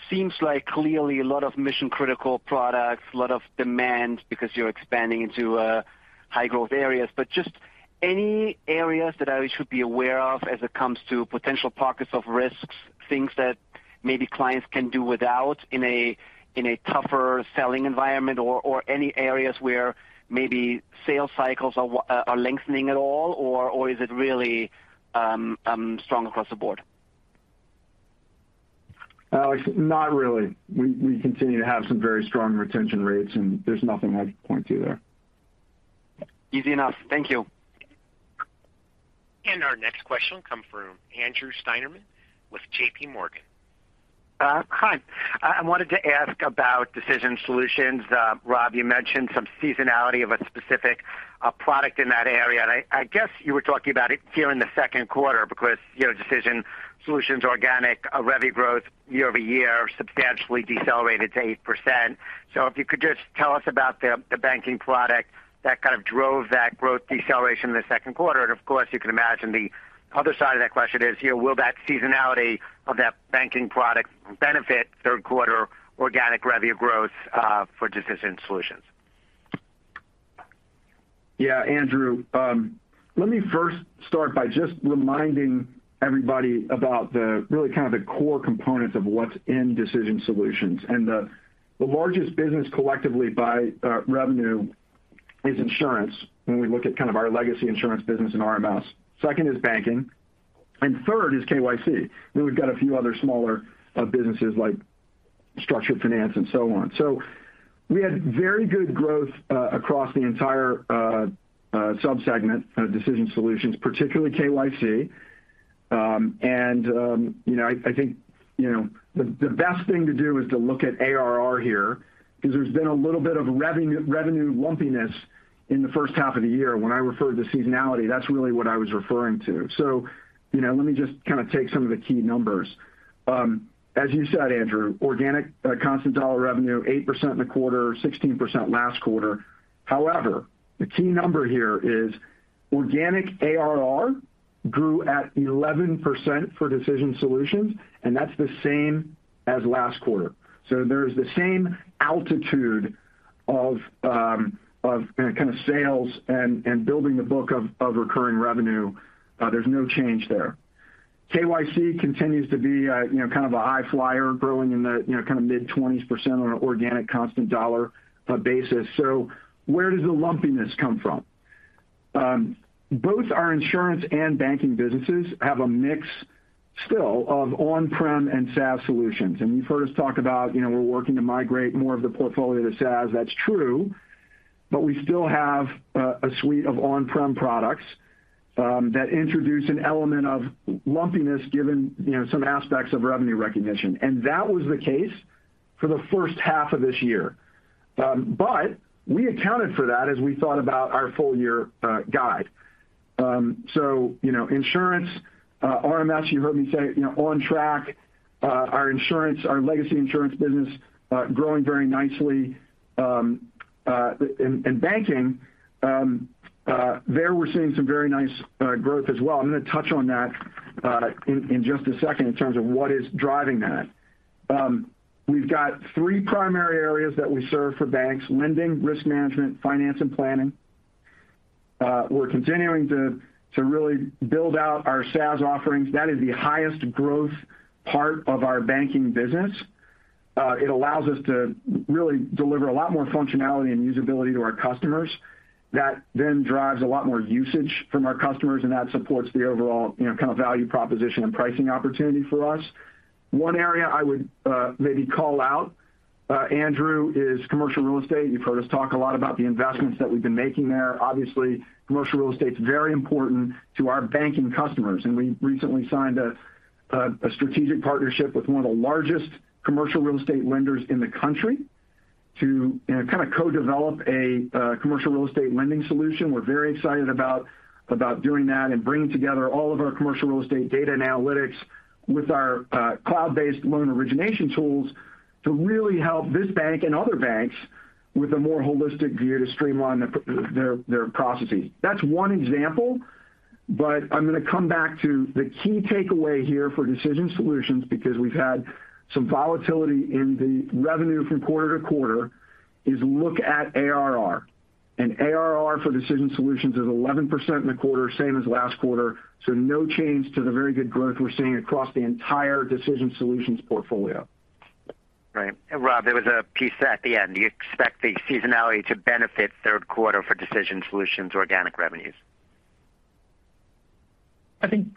Seems like clearly a lot of mission critical products, a lot of demand because you're expanding into high growth areas. Just any areas that I should be aware of as it comes to potential pockets of risks, things that maybe clients can do without in a tougher selling environment or any areas where maybe sales cycles are lengthening at all or is it really strong across the board? Alex, not really. We continue to have some very strong retention rates, and there's nothing I'd point to there. Easy enough. Thank you. Our next question will come from Andrew Steinerman with J.P. Morgan. Hi. I wanted to ask about Decision Solutions. Rob, you mentioned some seasonality of a specific product in that area. I guess you were talking about it here in the second quarter because, you know, Decision Solutions organic revenue growth year-over-year substantially decelerated to 8%. If you could just tell us about the banking product that kind of drove that growth deceleration in the second quarter. Of course, you can imagine the other side of that question is, you know, will that seasonality of that banking product benefit third quarter organic revenue growth for Decision Solutions? Yeah, Andrew. Let me first start by just reminding everybody about the really kind of the core components of what's in Decision Solutions. The largest business collectively by revenue is insurance, when we look at kind of our legacy insurance business in RMS. Second is banking, and third is KYC. Then we've got a few other smaller businesses like structured finance and so on. We had very good growth across the entire sub-segment of Decision Solutions, particularly KYC. You know, I think the best thing to do is to look at ARR here 'cause there's been a little bit of revenue lumpiness in the first half of the year. When I referred to seasonality, that's really what I was referring to. You know, let me just kinda take some of the key numbers. As you said, Andrew, organic constant dollar revenue 8% in the quarter, 16% last quarter. However, the key number here is organic ARR grew at 11% for Decision Solutions, and that's the same as last quarter. There's the same altitude of kind of sales and building the book of recurring revenue. There's no change there. KYC continues to be a you know kind of a high flyer growing in the you know kind of mid-20% on an organic constant dollar basis. So where does the lumpiness come from? Both our insurance and banking businesses have a mix still of on-prem and SaaS solutions. You've heard us talk about, you know, we're working to migrate more of the portfolio to SaaS. That's true, but we still have a suite of on-prem products that introduce an element of lumpiness given, you know, some aspects of revenue recognition. That was the case for the first half of this year. We accounted for that as we thought about our full year guide. You know, insurance, RMS, you heard me say, you know, on track. Our insurance, our legacy insurance business, growing very nicely. Banking, there we're seeing some very nice growth as well. I'm gonna touch on that in just a second in terms of what is driving that. We've got three primary areas that we serve for banks, lending, risk management, finance and planning. We're continuing to really build out our SaaS offerings. That is the highest growth part of our banking business. It allows us to really deliver a lot more functionality and usability to our customers that then drives a lot more usage from our customers, and that supports the overall, you know, kind of value proposition and pricing opportunity for us. One area I would maybe call out, Andrew, is commercial real estate. You've heard us talk a lot about the investments that we've been making there. Obviously, commercial real estate's very important to our banking customers, and we recently signed a strategic partnership with one of the largest commercial real estate lenders in the country to, you know, kind of co-develop a commercial real estate lending solution. We're very excited about doing that and bringing together all of our commercial real estate data and analytics with our cloud-based loan origination tools to really help this bank and other banks with a more holistic view to streamline their processes. That's one example, but I'm gonna come back to the key takeaway here for Decision Solutions, because we've had some volatility in the revenue from quarter to quarter, is look at ARR. ARR for Decision Solutions is 11% in the quarter, same as last quarter, so no change to the very good growth we're seeing across the entire Decision Solutions portfolio. Right. Rob, there was a piece at the end. Do you expect the seasonality to benefit third quarter for Decision Solutions organic revenues? I think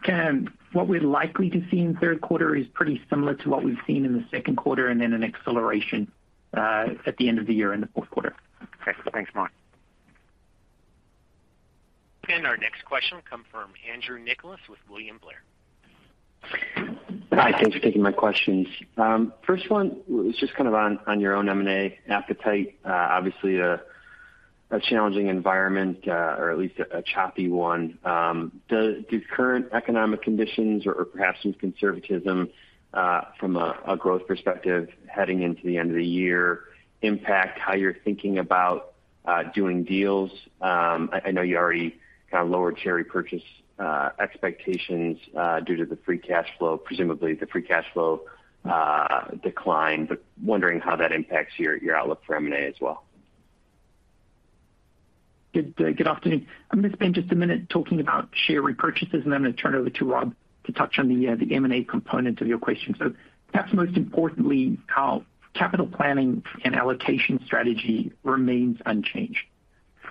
what we're likely to see in third quarter is pretty similar to what we've seen in the second quarter, and then an acceleration at the end of the year in the fourth quarter. Okay. Thanks, Mark. Our next question comes from Andrew Nicholas with William Blair. Hi. Thanks for taking my questions. First one was just kind of on your own M&A appetite. Obviously a challenging environment, or at least a choppy one. Does the current economic conditions or perhaps some conservatism from a growth perspective heading into the end of the year impact how you're thinking about doing deals? I know you already kind of lowered share repurchase expectations due to the free cash flow, presumably the free cash flow decline, but wondering how that impacts your outlook for M&A as well. Good afternoon. I'm gonna spend just a minute talking about share repurchases, and then I'm gonna turn it over to Rob to touch on the M&A component of your question. Perhaps most importantly, our capital planning and allocation strategy remains unchanged.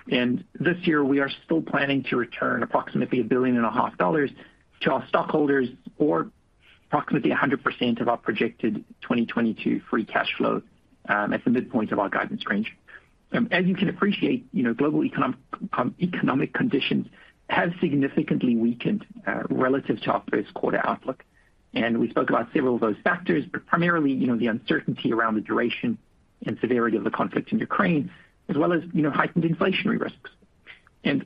This year we are still planning to return approximately $1.5 billion to our stockholders or approximately 100% of our projected 2022 free cash flow, at the midpoint of our guidance range. As you can appreciate, you know, global economic conditions have significantly weakened relative to our first quarter outlook. We spoke about several of those factors, but primarily, you know, the uncertainty around the duration and severity of the conflict in Ukraine, as well as, you know, heightened inflationary risks.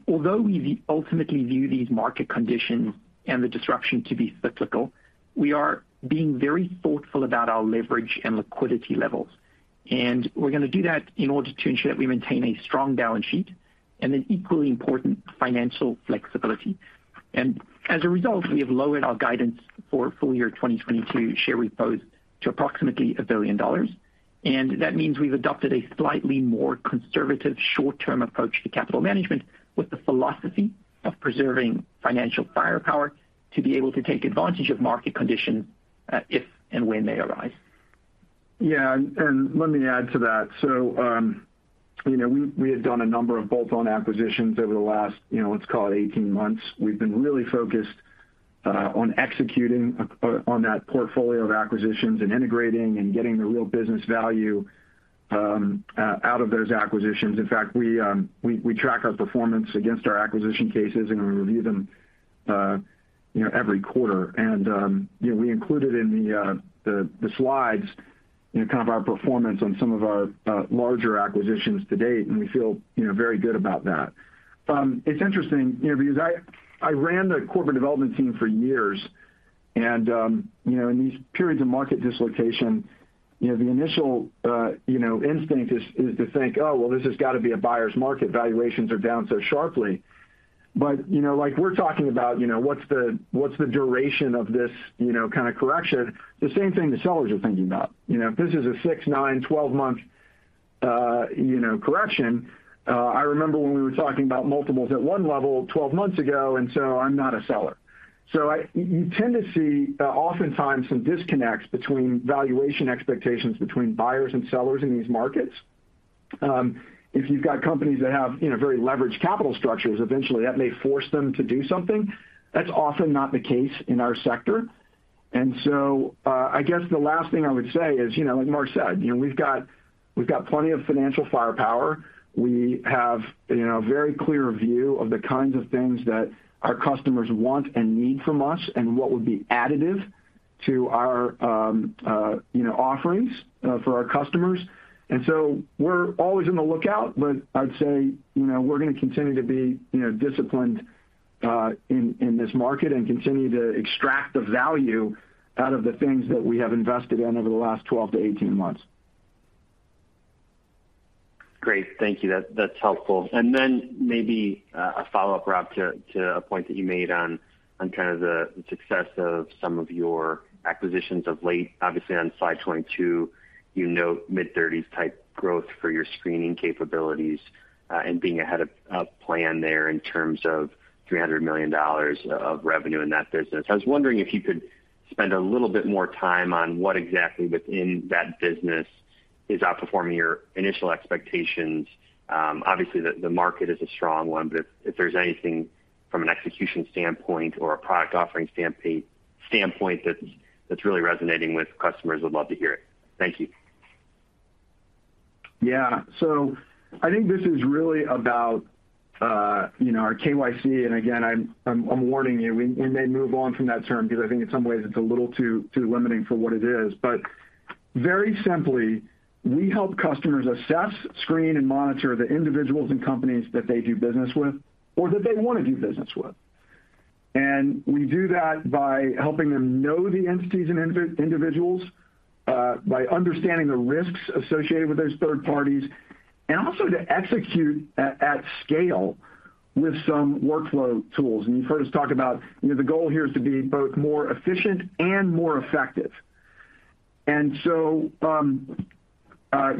Although we ultimately view these market conditions and the disruption to be cyclical, we are being very thoughtful about our leverage and liquidity levels. We're gonna do that in order to ensure that we maintain a strong balance sheet and an equally important financial flexibility. As a result, we have lowered our guidance for full year 2022 share repurchases to approximately $1 billion. That means we've adopted a slightly more conservative short-term approach to capital management with the philosophy of preserving financial firepower to be able to take advantage of market conditions, if and when they arise. Yeah, let me add to that. You know, we had done a number of bolt-on acquisitions over the last, you know, let's call it 18 months. We have been really focused on executing on that portfolio of acquisitions and integrating and getting the real business value out of those acquisitions. In fact, we track our performance against our acquisition cases, and we review them every quarter. You know, we included in the slides kind of our performance on some of our larger acquisitions to date, and we feel very good about that. It's interesting, you know, because I ran the corporate development team for years and, you know, in these periods of market dislocation, you know, the initial instinct is to think, "Oh, well, this has got to be a buyer's market. Valuations are down so sharply." You know, like we're talking about, you know, what's the duration of this, you know, kind of correction? The same thing the sellers are thinking about. You know, if this is a 6-, 9-, 12-month, you know, correction, I remember when we were talking about multiples at one level 12 months ago, and so I'm not a seller. You tend to see, oftentimes some disconnects between valuation expectations between buyers and sellers in these markets. If you've got companies that have, you know, very leveraged capital structures, eventually that may force them to do something. That's often not the case in our sector. I guess the last thing I would say is, you know, like Mark said, you know, we've got plenty of financial firepower. We have, you know, a very clear view of the kinds of things that our customers want and need from us and what would be additive to our, you know, offerings for our customers. We're always on the lookout, but I'd say, you know, we're gonna continue to be, you know, disciplined in this market and continue to extract the value out of the things that we have invested in over the last 12-18 months. Great. Thank you. That's helpful. Then maybe a follow-up, Rob, to a point that you made on kind of the success of some of your acquisitions of late. Obviously on slide 22, you note mid-30s type growth for your screening capabilities, and being ahead of plan there in terms of $300 million of revenue in that business. I was wondering if you could- Spend a little bit more time on what exactly within that business is outperforming your initial expectations. Obviously the market is a strong one, but if there's anything from an execution standpoint or a product offering standpoint that's really resonating with customers, would love to hear it. Thank you. Yeah. I think this is really about, you know, our KYC. Again, I'm warning you, we may move on from that term because I think in some ways it's a little too limiting for what it is. Very simply, we help customers assess, screen, and monitor the individuals and companies that they do business with or that they want to do business with. We do that by helping them know the entities and individuals by understanding the risks associated with those third parties, and also to execute at scale with some workflow tools. You've heard us talk about, you know, the goal here is to be both more efficient and more effective. You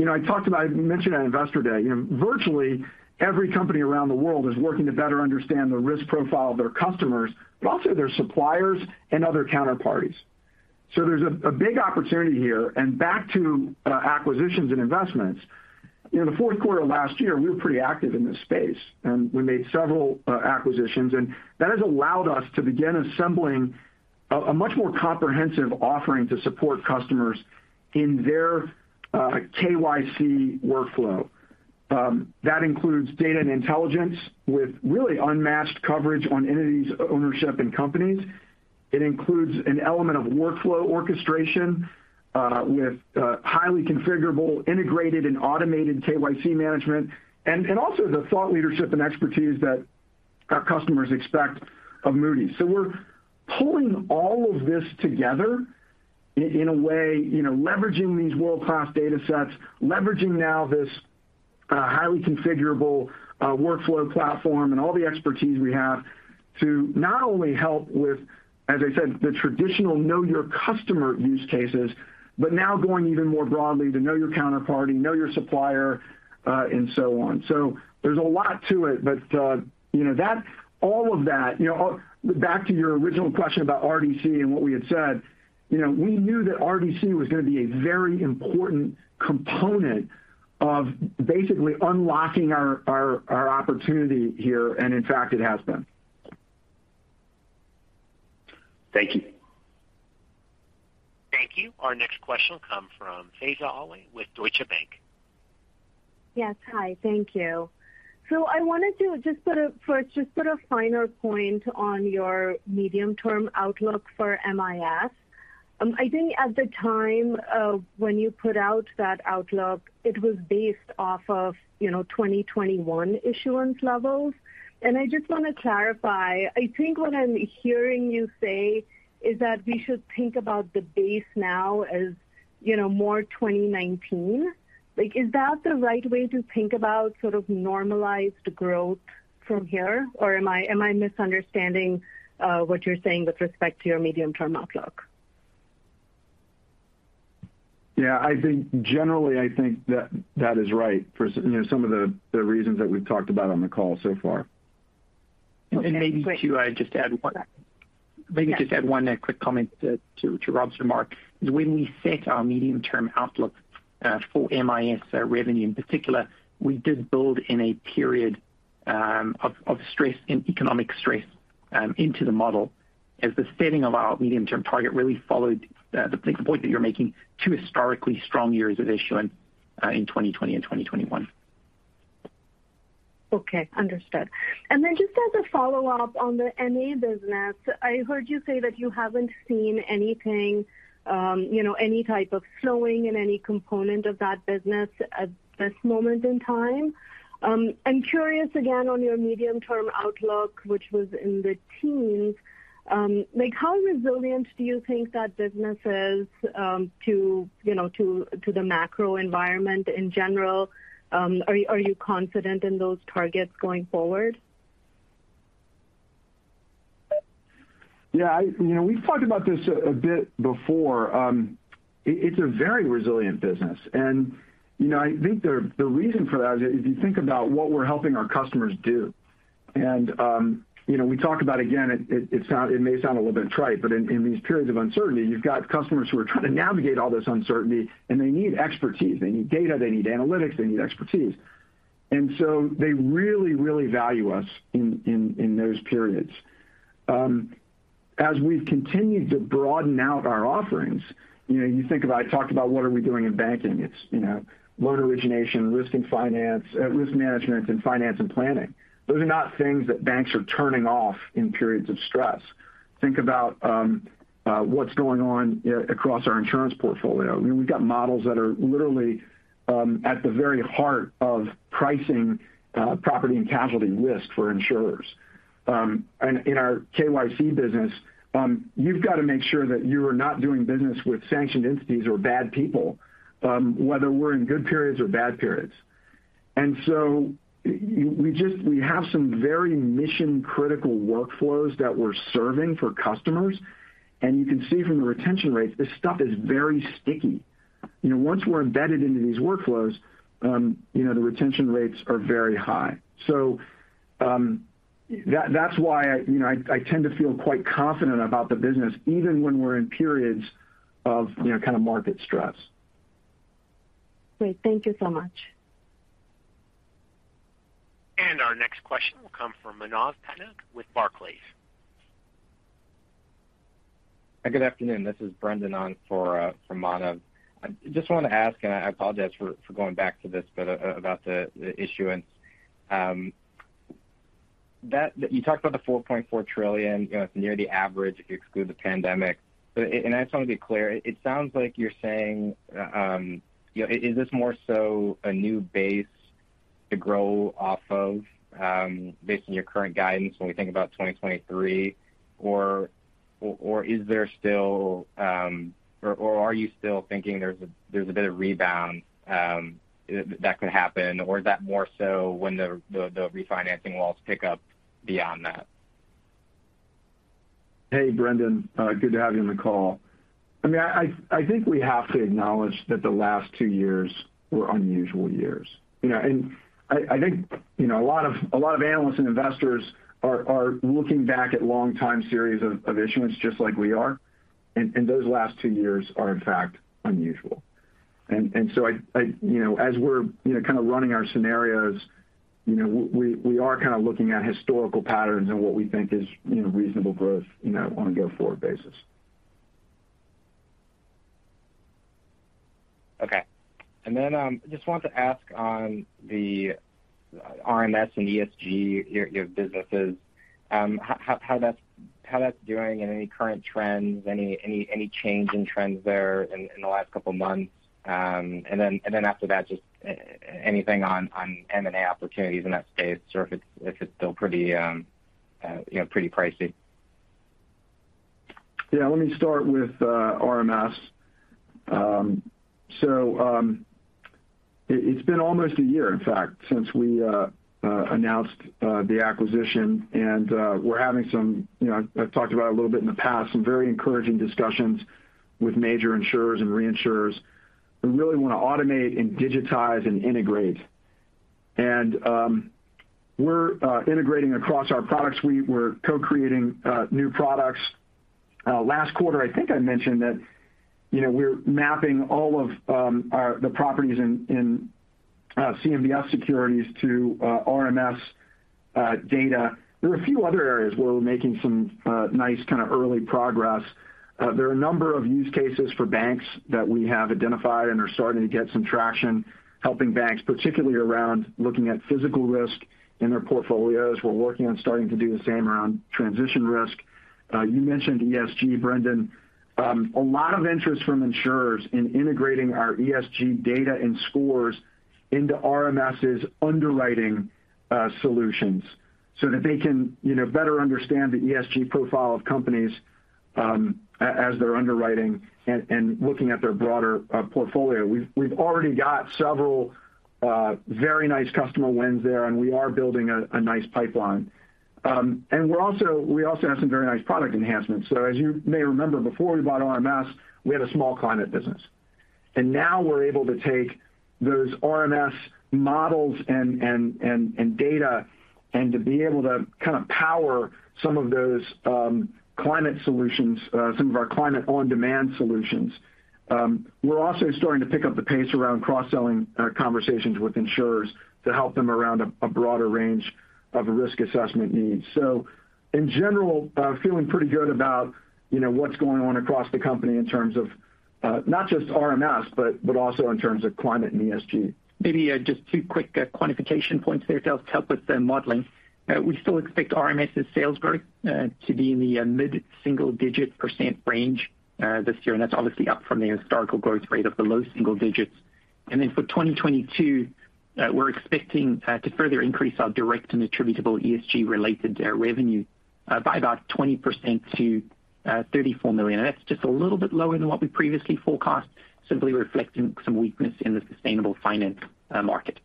know, I mentioned at Investor Day, you know, virtually every company around the world is working to better understand the risk profile of their customers, but also their suppliers and other counterparties. There's a big opportunity here. Back to acquisitions and investments. You know, the fourth quarter of last year, we were pretty active in this space, and we made several acquisitions. That has allowed us to begin assembling a much more comprehensive offering to support customers in their KYC workflow. That includes data and intelligence with really unmatched coverage on entities, ownership, and companies. It includes an element of workflow orchestration with highly configurable, integrated, and automated KYC management. And also the thought leadership and expertise that our customers expect of Moody's. We're pulling all of this together in a way, you know, leveraging these world-class datasets, leveraging now this highly configurable workflow platform and all the expertise we have to not only help with, as I said, the traditional know your customer use cases, but now going even more broadly to know your counterparty, know your supplier, and so on. There's a lot to it. But you know, all of that, you know, back to your original question about RDC and what we had said, you know, we knew that RDC was gonna be a very important component of basically unlocking our opportunity here. In fact, it has been. Thank you. Thank you. Our next question will come from Faiza Alwy with Deutsche Bank. Yes. Hi, thank you. I wanted to just put a finer point on your medium-term outlook for MIS. I think at the time of when you put out that outlook, it was based off of, you know, 2021 issuance levels. I just want to clarify. I think what I'm hearing you say is that we should think about the base now as, you know, more 2019. Like, is that the right way to think about sort of normalized growth from here, or am I misunderstanding what you're saying with respect to your medium-term outlook? Yeah, I think generally, I think that is right you know, some of the reasons that we've talked about on the call so far. Maybe to just add one. Yes. Maybe just add one quick comment to Rob's remark, is when we set our medium-term outlook for MIS revenue in particular, we did build in a period of stress and economic stress into the model as the setting of our medium-term target really followed the point that you're making, two historically strong years of issuance in 2020 and 2021. Okay. Understood. Just as a follow-up on the MA business, I heard you say that you haven't seen anything, you know, any type of slowing in any component of that business at this moment in time. I'm curious again on your medium-term outlook, which was in the teens. Like, how resilient do you think that business is, to, you know, to the macro environment in general? Are you confident in those targets going forward? Yeah, you know, we've talked about this a bit before. It's a very resilient business. You know, I think the reason for that is if you think about what we're helping our customers do, you know, we talk about, again, it may sound a little bit trite, but in these periods of uncertainty, you've got customers who are trying to navigate all this uncertainty, and they need expertise. They need data, they need analytics, they need expertise. They really, really value us in those periods. As we've continued to broaden out our offerings, you know, you think about, I talked about what are we doing in banking. It's, you know, loan origination, risk and finance, risk management and finance and planning. Those are not things that banks are turning off in periods of stress. Think about what's going on across our insurance portfolio. I mean, we've got models that are literally at the very heart of pricing property and casualty risk for insurers. In our KYC business, you've got to make sure that you are not doing business with sanctioned entities or bad people, whether we're in good periods or bad periods. We have some very mission-critical workflows that we're serving for customers. You can see from the retention rates, this stuff is very sticky. You know, once we're embedded into these workflows, you know, the retention rates are very high. That's why I, you know, I tend to feel quite confident about the business even when we're in periods of, you know, kind of market stress. Great. Thank you so much. Our next question will come from Manav Patnaik with Barclays. Good afternoon. This is Brendan on for Manav. I just wanted to ask, and I apologize for going back to this, but about the issuance that you talked about the $4.4 trillion, you know, it's near the average if you exclude the pandemic. I just want to be clear. It sounds like you're saying, you know, is this more so a new base to grow off of based on your current guidance when we think about 2023? Or are you still thinking there's a bit of rebound that could happen? Or is that more so when the refinancing walls pick up beyond that? Hey, Brendan. Good to have you on the call. I mean, I think we have to acknowledge that the last two years were unusual years, you know? I think, you know, a lot of analysts and investors are looking back at long time series of issuance just like we are. Those last two years are in fact unusual. I, you know, as we're, you know, kind of running our scenarios, you know, we are kind of looking at historical patterns and what we think is, you know, reasonable growth, you know, on a go-forward basis. Okay. Just wanted to ask on the RMS and ESG, your businesses, how that's doing and any current trends, any change in trends there in the last couple of months. After that, just anything on M&A opportunities in that space or if it's still pretty, you know, pretty pricey. Yeah, let me start with RMS. So, it's been almost a year, in fact, since we announced the acquisition. We're having some, you know, I've talked about a little bit in the past, some very encouraging discussions with major insurers and reinsurers who really want to automate and digitize and integrate. We're integrating across our products. We were co-creating new products. Last quarter, I think I mentioned that, you know, we're mapping all of the properties in CMBS securities to RMS data. There are a few other areas where we're making some nice kind of early progress. There are a number of use cases for banks that we have identified and are starting to get some traction helping banks, particularly around looking at physical risk in their portfolios. We're working on starting to do the same around transition risk. You mentioned ESG, Brendan. A lot of interest from insurers in integrating our ESG data and scores into RMS's underwriting solutions so that they can, you know, better understand the ESG profile of companies, as they're underwriting and looking at their broader portfolio. We've already got several very nice customer wins there, and we are building a nice pipeline. We also have some very nice product enhancements. As you may remember, before we bought RMS, we had a small climate business. Now we're able to take those RMS models and data and to be able to kind of power some of those climate solutions, some of our climate on-demand solutions. We're also starting to pick up the pace around cross-selling conversations with insurers to help them around a broader range of risk assessment needs. In general, feeling pretty good about, you know, what's going on across the company in terms of not just RMS, but also in terms of climate and ESG. Maybe, just two quick, quantification points there to help with the modeling. We still expect RMS' sales growth to be in the mid-single-digit perecent range this year, and that's obviously up from the historical growth rate of the low single digits. Then for 2022, we're expecting to further increase our direct and attributable ESG-related revenue by about 20% to $34 million. That's just a little bit lower than what we previously forecast, simply reflecting some weakness in the sustainable finance market.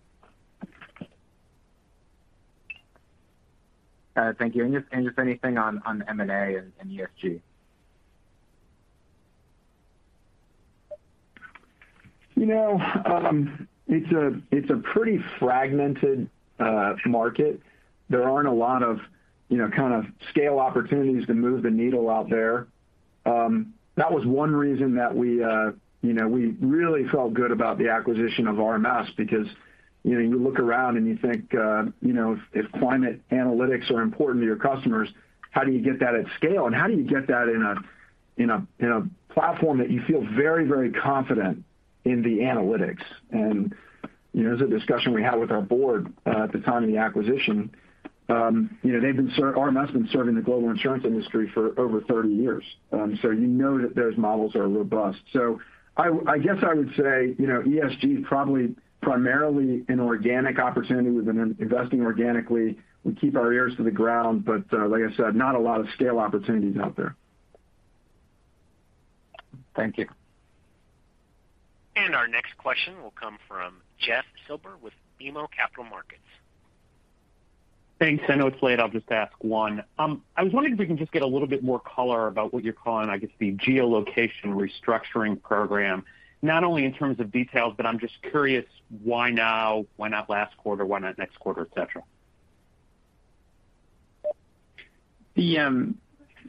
Thank you. Just anything on M&A and ESG? You know, it's a pretty fragmented market. There aren't a lot of, you know, kind of scale opportunities to move the needle out there. That was one reason that we, you know, we really felt good about the acquisition of RMS because, you know, you look around and you think, you know, if climate analytics are important to your customers, how do you get that at scale? How do you get that in a platform that you feel very, very confident in the analytics? You know, it was a discussion we had with our board at the time of the acquisition. You know, RMS has been serving the global insurance industry for over 30 years. So you know that those models are robust. I guess I would say, you know, ESG probably primarily an organic opportunity. We've been investing organically. We keep our ears to the ground. Like I said, not a lot of scale opportunities out there. Thank you. Our next question will come from Jeff Silber with BMO Capital Markets. Thanks. I know it's late. I'll just ask one. I was wondering if we can just get a little bit more color about what you're calling, I guess, the Geolocation Restructuring Program, not only in terms of details, but I'm just curious why now? Why not last quarter? Why not next quarter, et cetera? The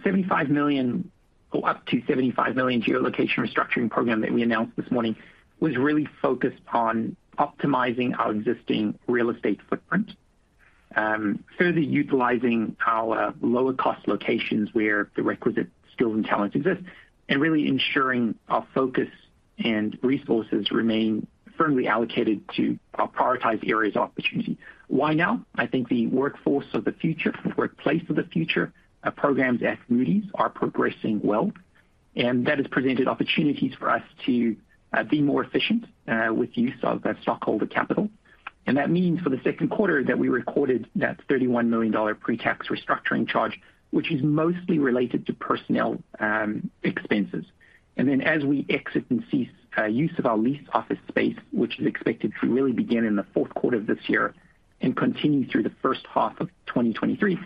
75 million or up to 75 million Geolocation Restructuring Program that we announced this morning was really focused on optimizing our existing real estate footprint, further utilizing our lower cost locations where the requisite skills and talents exist, and really ensuring our focus and resources remain firmly allocated to our prioritized areas of opportunity. Why now? I think the workforce of the future, workplace of the future, our programs equities are progressing well, and that has presented opportunities for us to be more efficient with use of that stockholder capital. That means for the second quarter that we recorded that $31 million pre-tax restructuring charge, which is mostly related to personnel expenses. Then as we exit and cease use of our leased office space, which is expected to really begin in the fourth quarter of this year and continue through the first half of 2023,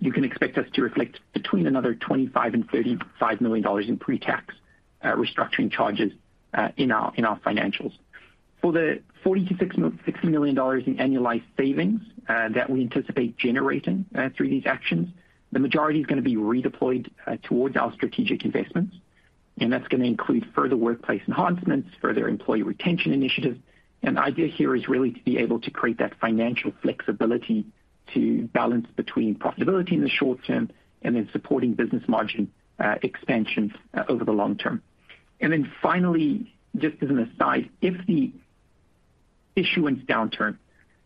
you can expect us to reflect between another $25-$35 million in pre-tax restructuring charges in our financials. For the $40-$60 million in annualized savings that we anticipate generating through these actions, the majority is gonna be redeployed towards our strategic investments, and that's gonna include further workplace enhancements, further employee retention initiatives. The idea here is really to be able to create that financial flexibility to balance between profitability in the short term and then supporting business margin expansions over the long term. Finally, just as an aside, if the issuance downturn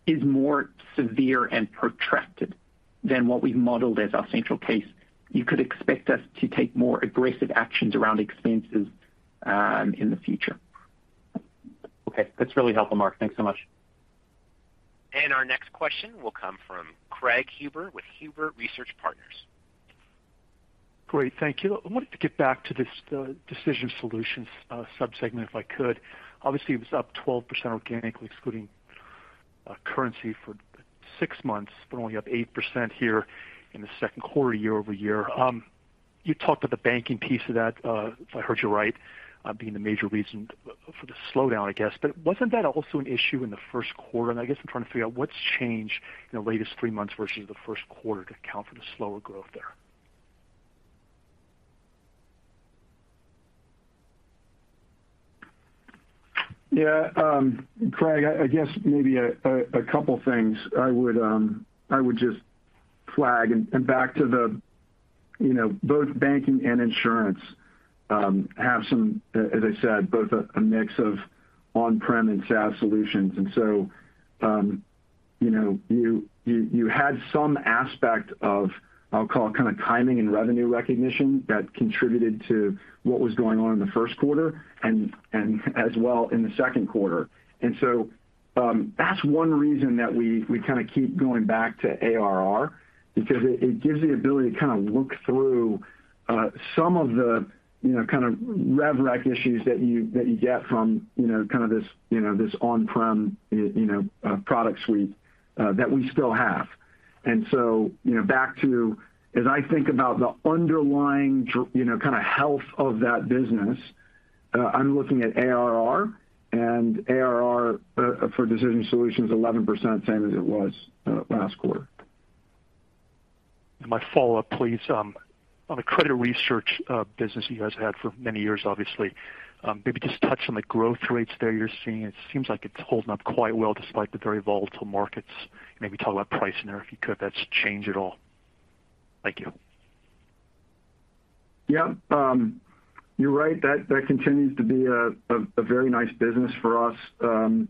is more severe and protracted than what we've modeled as our central case, you could expect us to take more aggressive actions around expenses, in the future. Okay. That's really helpful, Mark. Thanks so much. Our next question will come from Craig Huber with Huber Research Partners. Great. Thank you. I wanted to get back to this, Decision Solutions, sub-segment, if I could. Obviously, it was up 12% organically, excluding currency for 6 months, but only up 8% here in the second quarter, year-over-year. You talked about the banking piece of that, if I heard you right, being the major reason for the slowdown, I guess. Wasn't that also an issue in the first quarter? I guess I'm trying to figure out what's changed in the latest 3 months versus the first quarter to account for the slower growth there. Yeah, Craig, I guess maybe a couple things I would just flag and back to the, you know, both banking and insurance have some, as I said, both a mix of on-prem and SaaS solutions. You know, you had some aspect of, I'll call it kinda timing and revenue recognition that contributed to what was going on in the first quarter and as well in the second quarter. That's one reason that we kinda keep going back to ARR because it gives the ability to kinda look through some of the, you know, kind of rev rec issues that you get from, you know, kinda this, you know, this on-prem product suite that we still have. You know, back to as I think about the underlying you know, kind of health of that business, I'm looking at ARR for Decision Solutions, 11% same as it was last quarter. My follow-up, please. On the credit research business you guys had for many years, obviously. Maybe just touch on the growth rates there you're seeing. It seems like it's holding up quite well despite the very volatile markets. Maybe talk about pricing there, if you could. Has that changed at all. Thank you. Yeah. You're right. That continues to be a very nice business for us. You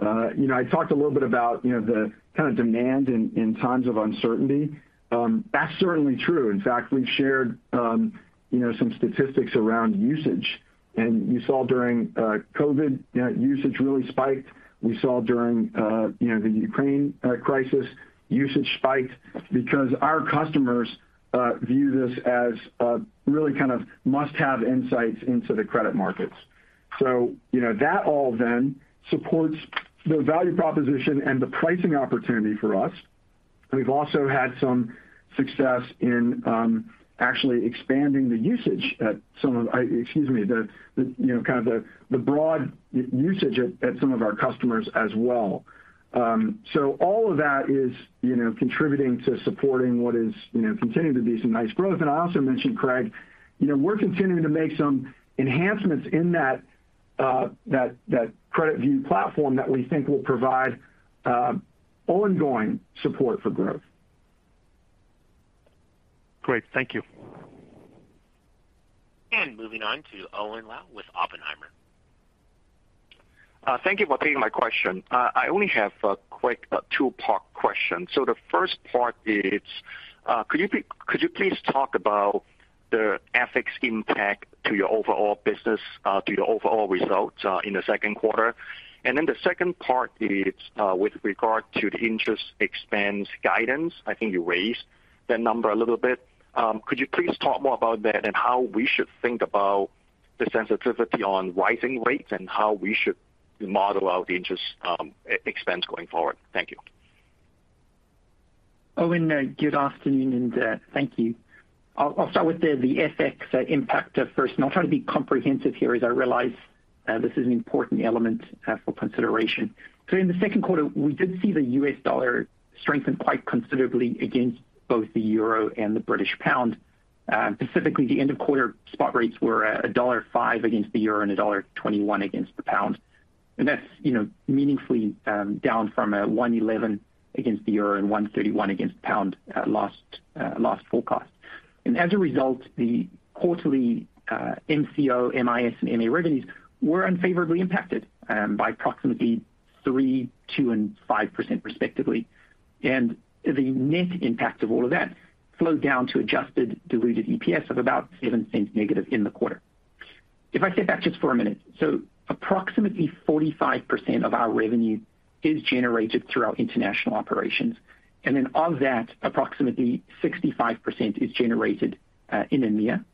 know, I talked a little bit about, you know, the kind of demand in times of uncertainty. That's certainly true. In fact, we've shared, you know, some statistics around usage, and you saw during COVID, you know, usage really spiked. We saw during, you know, the Ukraine crisis usage spiked because our customers view this as a really kind of must-have insights into the credit markets. You know, that all then supports the value proposition and the pricing opportunity for us. We've also had some success in actually expanding the, you know, kind of broad usage at some of our customers as well. All of that is, you know, contributing to supporting what is, you know, continuing to be some nice growth. I also mentioned, Craig, you know, we're continuing to make some enhancements in that CreditView platform that we think will provide ongoing support for growth. Great. Thank you. Moving on to Owen Lau with Oppenheimer. Thank you for taking my question. I only have a quick, two-part question. The first part is, could you please talk about the FX impact to your overall business, to the overall results, in the second quarter? The second part is, with regard to the interest expense guidance. I think you raised that number a little bit. Could you please talk more about that and how we should think about the sensitivity on rising rates and how we should model out the interest expense going forward. Thank you. Owen, good afternoon, and thank you. I'll start with the FX impact first. I'll try to be comprehensive here as I realize this is an important element for consideration. In the second quarter, we did see the US dollar strengthen quite considerably against both the euro and the British pound. Specifically the end of quarter spot rates were $1.05 against the euro and $1.21 against the pound. That's, you know, meaningfully down from 1.11 against the euro and 1.31 against the pound at last forecast. As a result, the quarterly MCO, MIS, and MA revenues were unfavorably impacted by approximately 3%, 2%, and 5% respectively. The net impact of all of that flowed down to adjusted diluted EPS of about -$0.07 in the quarter. If I step back just for a minute, so approximately 45% of our revenue is generated through our international operations. Of that, approximately 65% is generated in EMEA.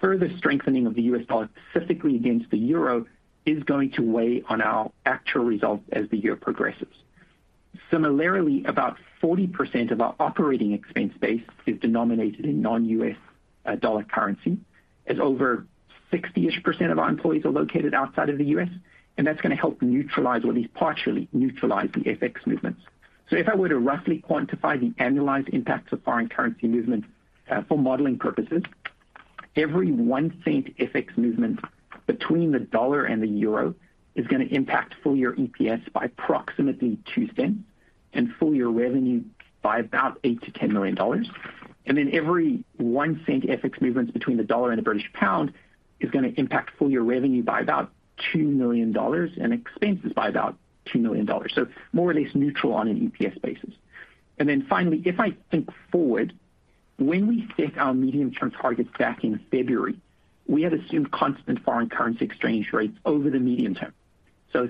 Further strengthening of the US dollar, specifically against the euro, is going to weigh on our actual results as the year progresses. Similarly, about 40% of our operating expense base is denominated in non-US dollar currency, as over 60-ish% of our employees are located outside of the US, and that's gonna help neutralize or at least partially neutralize the FX movements. If I were to roughly quantify the annualized impacts of foreign currency movement, for modeling purposes, every 1-cent FX movement between the dollar and the euro is gonna impact full-year EPS by approximately $0.02 and full-year revenue by about $8-$10 million. Every 1-cent FX movement between the dollar and the British pound is gonna impact full-year revenue by about $2 million and expenses by about $2 million. More or less neutral on an EPS basis. Finally, if I think forward, when we set our medium-term targets back in February, we had assumed constant foreign currency exchange rates over the medium term.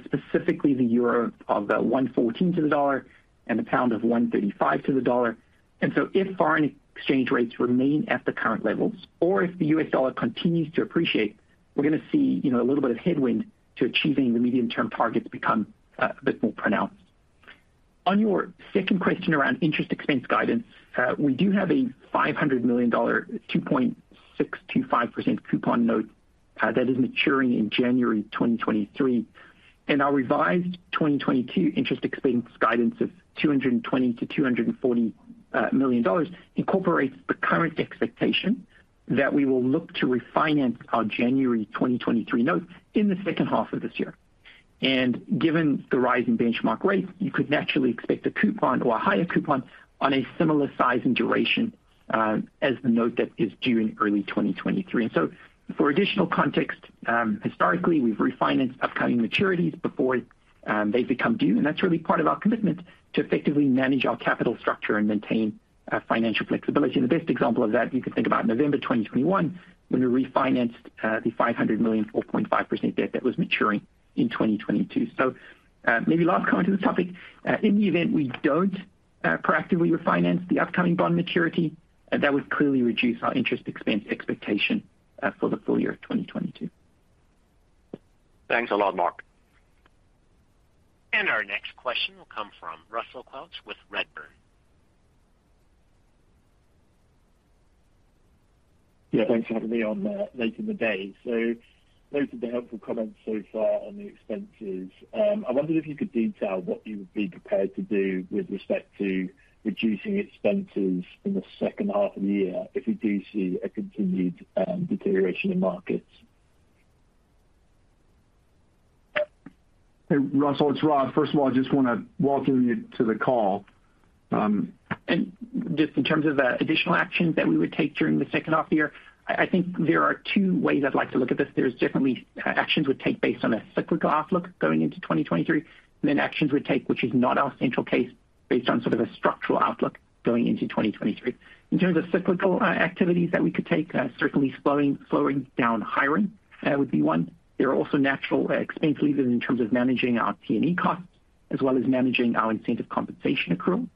Specifically the euro of 1.14 to the dollar and the pound of 1.35 to the dollar. If foreign exchange rates remain at the current levels or if the US dollar continues to appreciate, we're gonna see, you know, a little bit of headwind to achieving the medium-term targets become a bit more pronounced. On your second question around interest expense guidance, we do have a $500 million 2.625% coupon note that is maturing in January 2023. Our revised 2022 interest expense guidance of $220 million-$240 million incorporates the current expectation that we will look to refinance our January 2023 note in the second half of this year. Given the rise in benchmark rates, you could naturally expect a coupon or a higher coupon on a similar size and duration as the note that is due in early 2023. For additional context, historically, we've refinanced upcoming maturities before they become due, and that's really part of our commitment to effectively manage our capital structure and maintain financial flexibility. The best example of that you can think about November 2021, when we refinanced the $500 million 4.5% debt that was maturing in 2022. Maybe last comment on this topic. In the event we don't proactively refinance the upcoming bond maturity, that would clearly reduce our interest expense expectation for the full year of 2022. Thanks a lot, Mark. Our next question will come from Russell Quelch with Redburn. Yeah, thanks for having me on late in the day. Loads of the helpful comments so far on the expenses. I wondered if you could detail what you would be prepared to do with respect to reducing expenses in the second half of the year if we do see a continued deterioration in markets. Hey, Russell, it's Rob. First of all, I just wanna welcome you to the call. Just in terms of the additional actions that we would take during the second half of the year, I think there are two ways I'd like to look at this. There's definitely actions we'd take based on a cyclical outlook going into 2023, and then actions we'd take which is not our central case based on sort of a structural outlook going into 2023. In terms of cyclical activities that we could take, certainly slowing down hiring would be one. There are also natural expense levers in terms of managing our T&E costs as well as managing our incentive compensation accrual.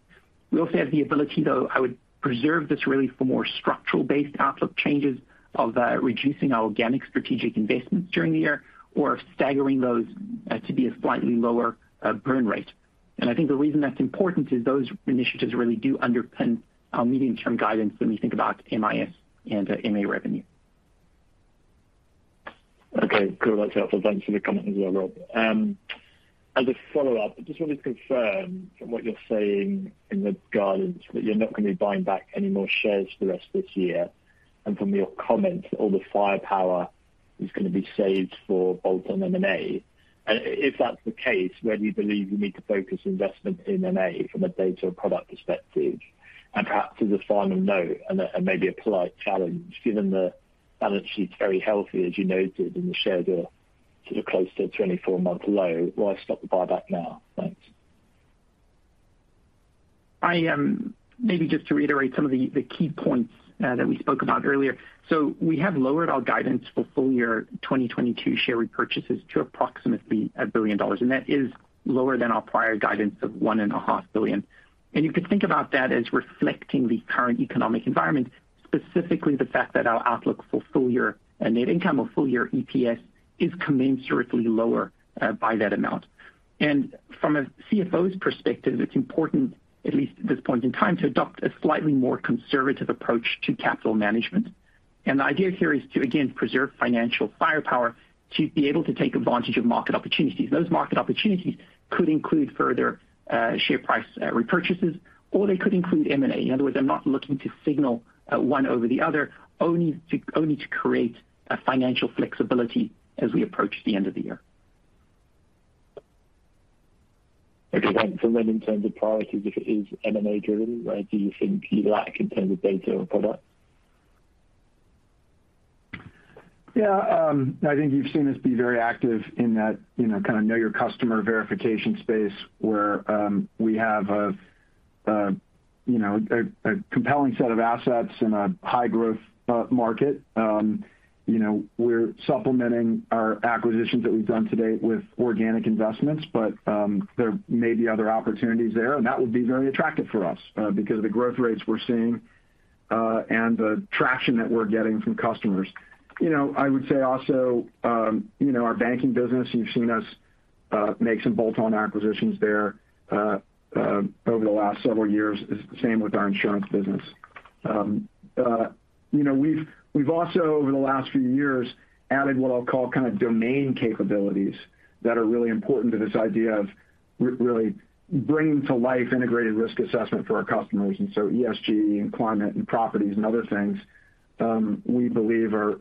We also have the ability, though I would preserve this really for more structural-based outlook changes, of reducing our organic strategic investments during the year or staggering those, to be a slightly lower burn rate. I think the reason that's important is those initiatives really do underpin our medium-term guidance when we think about MIS and MA revenue. Okay, cool. That's helpful. Thanks for the comment as well, Rob. As a follow-up, I just wanted to confirm from what you're saying in the guidance that you're not gonna be buying back any more shares for the rest of this year. From your comments, all the firepower is gonna be saved for bolt-on M&A. If that's the case, where do you believe you need to focus investment in M&A from a data product perspective? Perhaps as a final note and maybe a polite challenge, given the balance sheet's very healthy, as you noted, and the shares are sort of close to a 24-month low, why stop the buyback now? Thanks. I, maybe just to reiterate some of the key points that we spoke about earlier. We have lowered our guidance for full year 2022 share repurchases to approximately $1 billion, and that is lower than our prior guidance of $1.5 billion. You could think about that as reflecting the current economic environment, specifically the fact that our outlook for full year net income or full year EPS is commensurately lower by that amount. From a CFO's perspective, it's important, at least at this point in time, to adopt a slightly more conservative approach to capital management. The idea here is to again preserve financial firepower, to be able to take advantage of market opportunities. Those market opportunities could include further share price repurchases or they could include M&A. In other words, I'm not looking to signal one over the other, only to create financial flexibility as we approach the end of the year. Okay. In terms of priorities, if it is M&A driven, where do you think you lack in terms of data or product? Yeah, I think you've seen us be very active in that, you know, kind of know your customer verification space where we have a compelling set of assets in a high-growth market. You know, we're supplementing our acquisitions that we've done to date with organic investments, but there may be other opportunities there, and that would be very attractive for us because of the growth rates we're seeing and the traction that we're getting from customers. You know, I would say also, our banking business, you've seen us make some bolt-on acquisitions there over the last several years. It's the same with our insurance business. You know, we've also over the last few years added what I'll call kind of domain capabilities that are really important to this idea of really bringing to life integrated risk assessment for our customers. ESG and climate and properties and other things we believe are,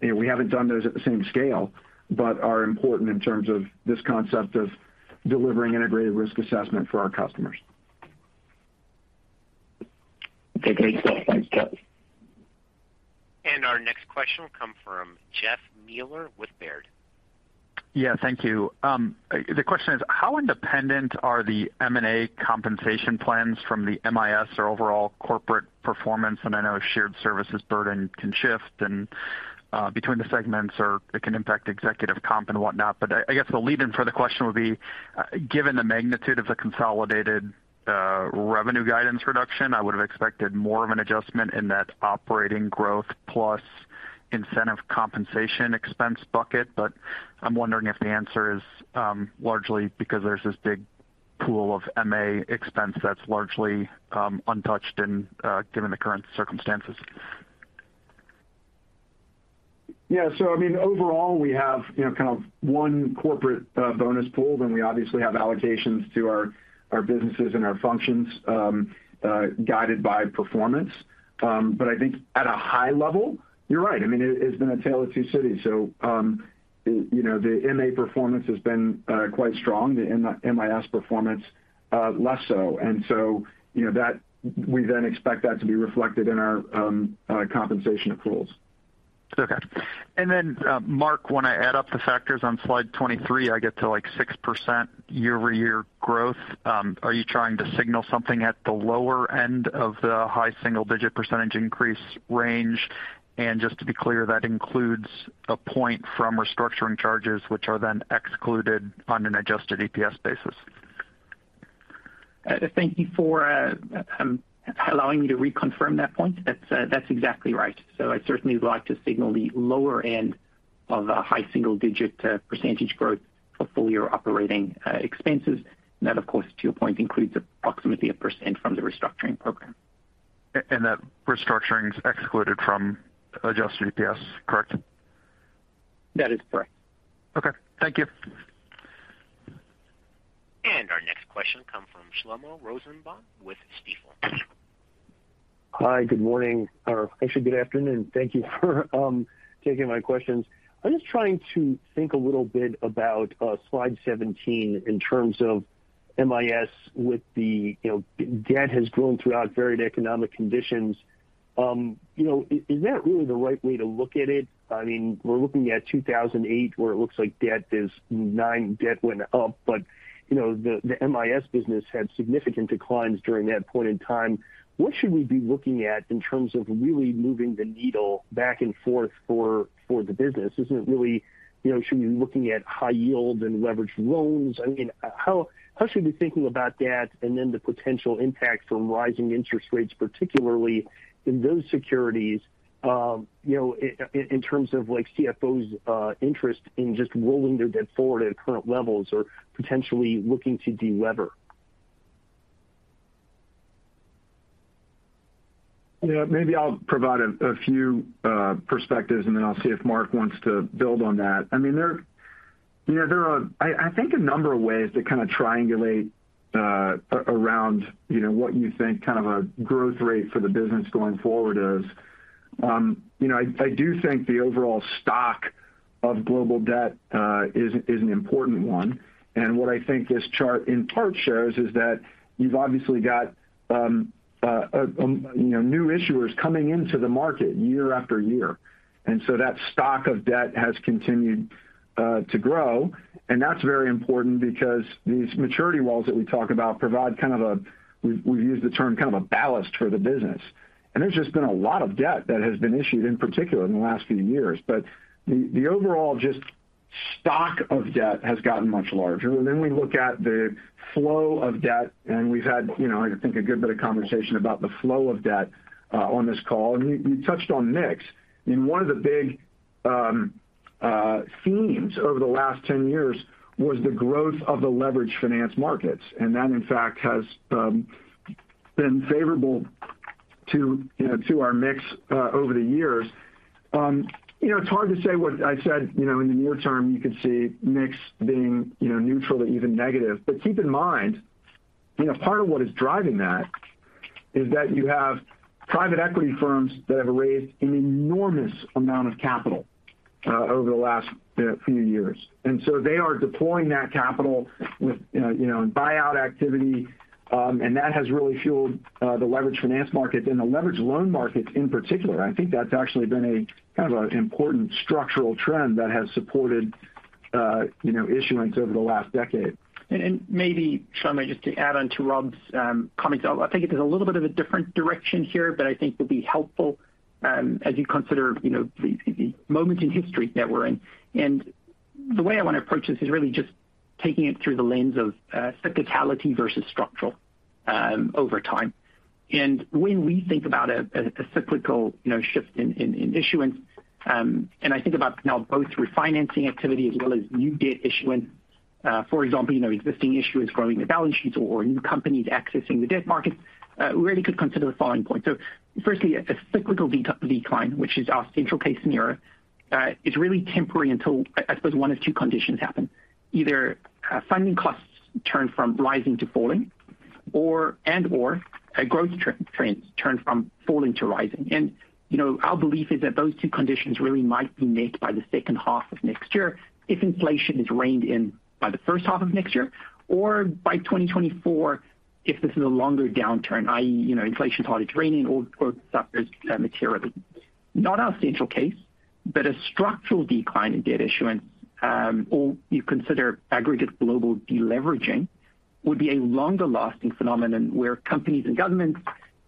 you know, we haven't done those at the same scale, but are important in terms of this concept of delivering integrated risk assessment for our customers. Okay, great stuff. Our next question will come from Jeff Meuler with Baird. Yeah, thank you. The question is how independent are the M&A compensation plans from the MIS or overall corporate performance? I know shared services burden can shift and between the segments or it can impact executive comp and whatnot. I guess the lead in for the question would be, given the magnitude of the consolidated revenue guidance reduction, I would have expected more of an adjustment in that operating growth plus incentive compensation expense bucket. I'm wondering if the answer is largely because there's this big pool of MA expense that's largely untouched, given the current circumstances. Yeah. I mean, overall, we have, you know, kind of one corporate bonus pool, then we obviously have allocations to our businesses and our functions guided by performance. I think at a high level, you're right. I mean, it's been a tale of two cities. You know, the MA performance has been quite strong, the MIS performance less so. You know, that we then expect that to be reflected in our compensation pools. Okay. Mark, when I add up the factors on slide 23, I get to, like, 6% year-over-year growth. Are you trying to signal something at the lower end of the high single-digit percentage increase range? Just to be clear, that includes a point from restructuring charges which are then excluded on an adjusted EPS basis. Thank you for allowing me to reconfirm that point. That's exactly right. I certainly like to signal the lower end of a high single-digit percentage growth for full year operating expenses. That, of course, to your point, includes approximately 1% from the restructuring program. That restructuring is excluded from adjusted EPS, correct? That is correct. Okay, thank you. Our next question comes from Shlomo Rosenbaum with Stifel. Hi, good morning, or actually good afternoon. Thank you for taking my questions. I'm just trying to think a little bit about slide 17 in terms of MIS with the, you know, debt has grown throughout varied economic conditions. You know, is that really the right way to look at it? I mean, we're looking at 2008, where it looks like debt went up, but, you know, the MIS business had significant declines during that point in time. What should we be looking at in terms of really moving the needle back and forth for the business? Is it really, you know, should we be looking at high yield and leveraged loans? I mean, how should we be thinking about debt and then the potential impact from rising interest rates, particularly in those securities, you know, in terms of, like, CFOs' interest in just rolling their debt forward at current levels or potentially looking to deleverage? Yeah, maybe I'll provide a few perspectives, and then I'll see if Mark wants to build on that. I mean, you know, there are, I think, a number of ways to kind of triangulate around, you know, what you think kind of a growth rate for the business going forward is. You know, I do think the overall stock of global debt is an important one. What I think this chart in part shows is that you've obviously got, you know, new issuers coming into the market year after year. That stock of debt has continued to grow. That's very important because these maturity walls that we talk about provide kind of a ballast for the business. We've used the term kind of a ballast for the business. There's just been a lot of debt that has been issued, in particular in the last few years. The overall just stock of debt has gotten much larger. Then we look at the flow of debt, and we've had, you know, I think a good bit of conversation about the flow of debt, on this call. You touched on mix. I mean, one of the big themes over the last 10 years was the growth of the leveraged finance markets. That, in fact, has been favorable to, you know, to our mix, over the years. You know, it's hard to say what I said, you know, in the near term, you could see mix being, you know, neutral or even negative. Keep in mind, you know, part of what is driving that is that you have private equity firms that have raised an enormous amount of capital over the last few years. So they are deploying that capital with, you know, in buyout activity. And that has really fueled the leverage finance market and the leverage loan market in particular. I think that's actually been a kind of an important structural trend that has supported you know issuance over the last decade. Maybe Shlomo, just to add on to Rob's comments. I'll take it to a little bit of a different direction here, but I think will be helpful, as you consider, you know, the moment in history that we're in. The way I wanna approach this is really just taking it through the lens of cyclicality versus structural over time. When we think about a cyclical, you know, shift in issuance, and think about now both refinancing activity as well as new debt issuance. For example, you know, existing issuers growing their balance sheets or new companies accessing the debt markets, really could consider the following points. Firstly, a cyclical decline, which is our central case scenario, is really temporary until I suppose one of two conditions happen. Either funding costs turn from rising to falling, or and/or growth trends turn from falling to rising. Our belief is that those two conditions really might be met by the second half of next year if inflation is reined in by the first half of next year, or by 2024 if this is a longer downturn, i.e., you know, inflation is hardly reining or growth suffers materially. Not our central case, but a structural decline in debt issuance, or you consider aggregate global deleveraging would be a longer-lasting phenomenon where companies and governments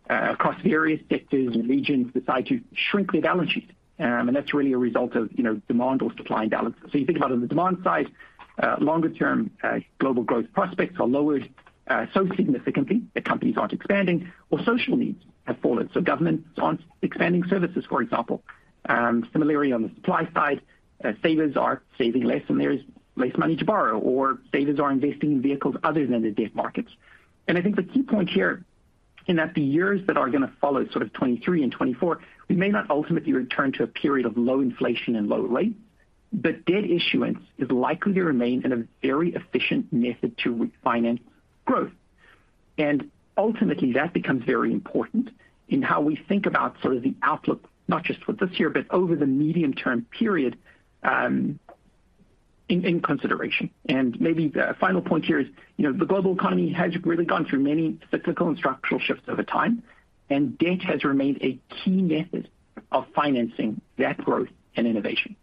across various sectors and regions decide to shrink their balance sheets. That's really a result of, you know, demand or supply and balance. You think about on the demand side, longer-term, global growth prospects are lowered so significantly that companies aren't expanding or social needs have fallen. Governments aren't expanding services, for example. Similarly, on the supply side, savers are saving less, and there is less money to borrow, or savers are investing in vehicles other than the debt markets. I think the key point here is that the years that are gonna follow sort of 2023 and 2024, we may not ultimately return to a period of low inflation and low rates, but debt issuance is likely to remain a very efficient method to refinance growth. Ultimately, that becomes very important in how we think about sort of the outlook, not just for this year, but over the medium-term period, in consideration. Maybe the final point here is, you know, the global economy has really gone through many cyclical and structural shifts over time, and debt has remained a key method of financing that growth and innovation.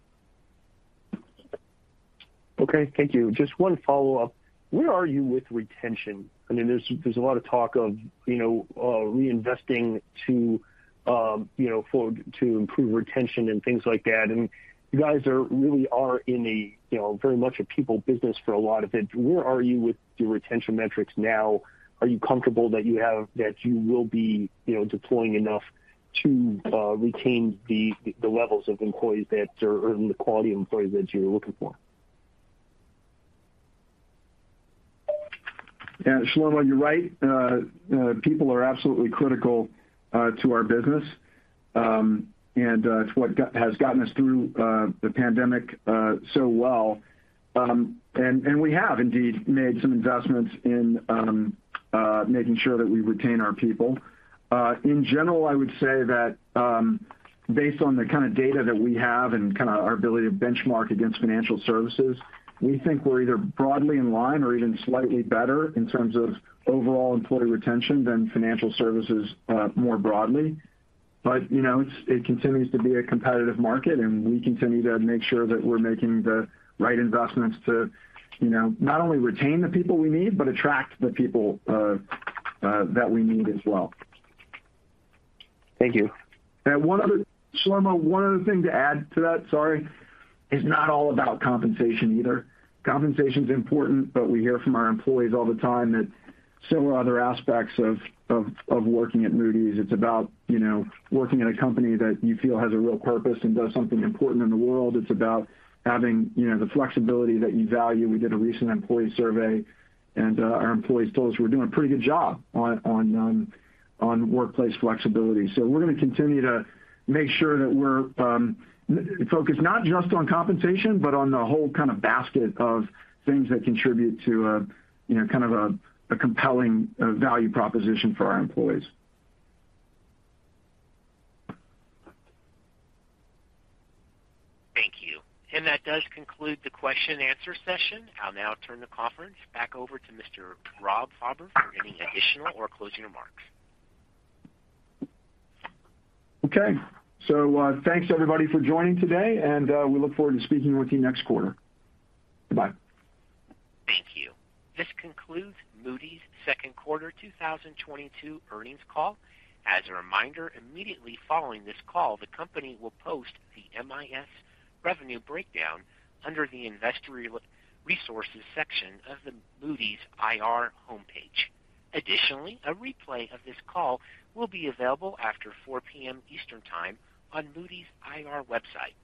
Okay. Thank you. Just one follow-up. Where are you with retention? I mean, there's a lot of talk of, you know, reinvesting to improve retention and things like that. And you guys really are in a, you know, very much a people business for a lot of it. Where are you with your retention metrics now? Are you comfortable that you will be, you know, deploying enough to retain the levels of employees or the quality of employees that you're looking for? Yeah, Shlomo, you're right. People are absolutely critical to our business. It's what has gotten us through the pandemic so well. We have indeed made some investments in making sure that we retain our people. In general, I would say that, based on the kind of data that we have and kinda our ability to benchmark against financial services, we think we're either broadly in line or even slightly better in terms of overall employee retention than financial services more broadly. You know, it continues to be a competitive market, and we continue to make sure that we're making the right investments to, you know, not only retain the people we need but attract the people that we need as well. Thank you. Shlomo, one other thing to add to that, sorry, it's not all about compensation either. Compensation's important, but we hear from our employees all the time that several other aspects of working at Moody's, it's about, you know, working at a company that you feel has a real purpose and does something important in the world. It's about having, you know, the flexibility that you value. We did a recent employee survey, and our employees told us we're doing a pretty good job on workplace flexibility. We're gonna continue to make sure that we're focused not just on compensation, but on the whole kind of basket of things that contribute to a, you know, kind of a compelling value proposition for our employees. Thank you. That does conclude the question and answer session. I'll now turn the conference back over to Mr. Rob Fauber for any additional or closing remarks. Okay. Thanks everybody for joining today, and we look forward to speaking with you next quarter. Bye. Thank you. This concludes Moody's Second Quarter 2022 earnings call. As a reminder, immediately following this call, the company will post the MIS revenue breakdown under the Investor Resources section of the Moody's IR homepage. Additionally, a replay of this call will be available after 4:00 P.M. Eastern time on Moody's IR website.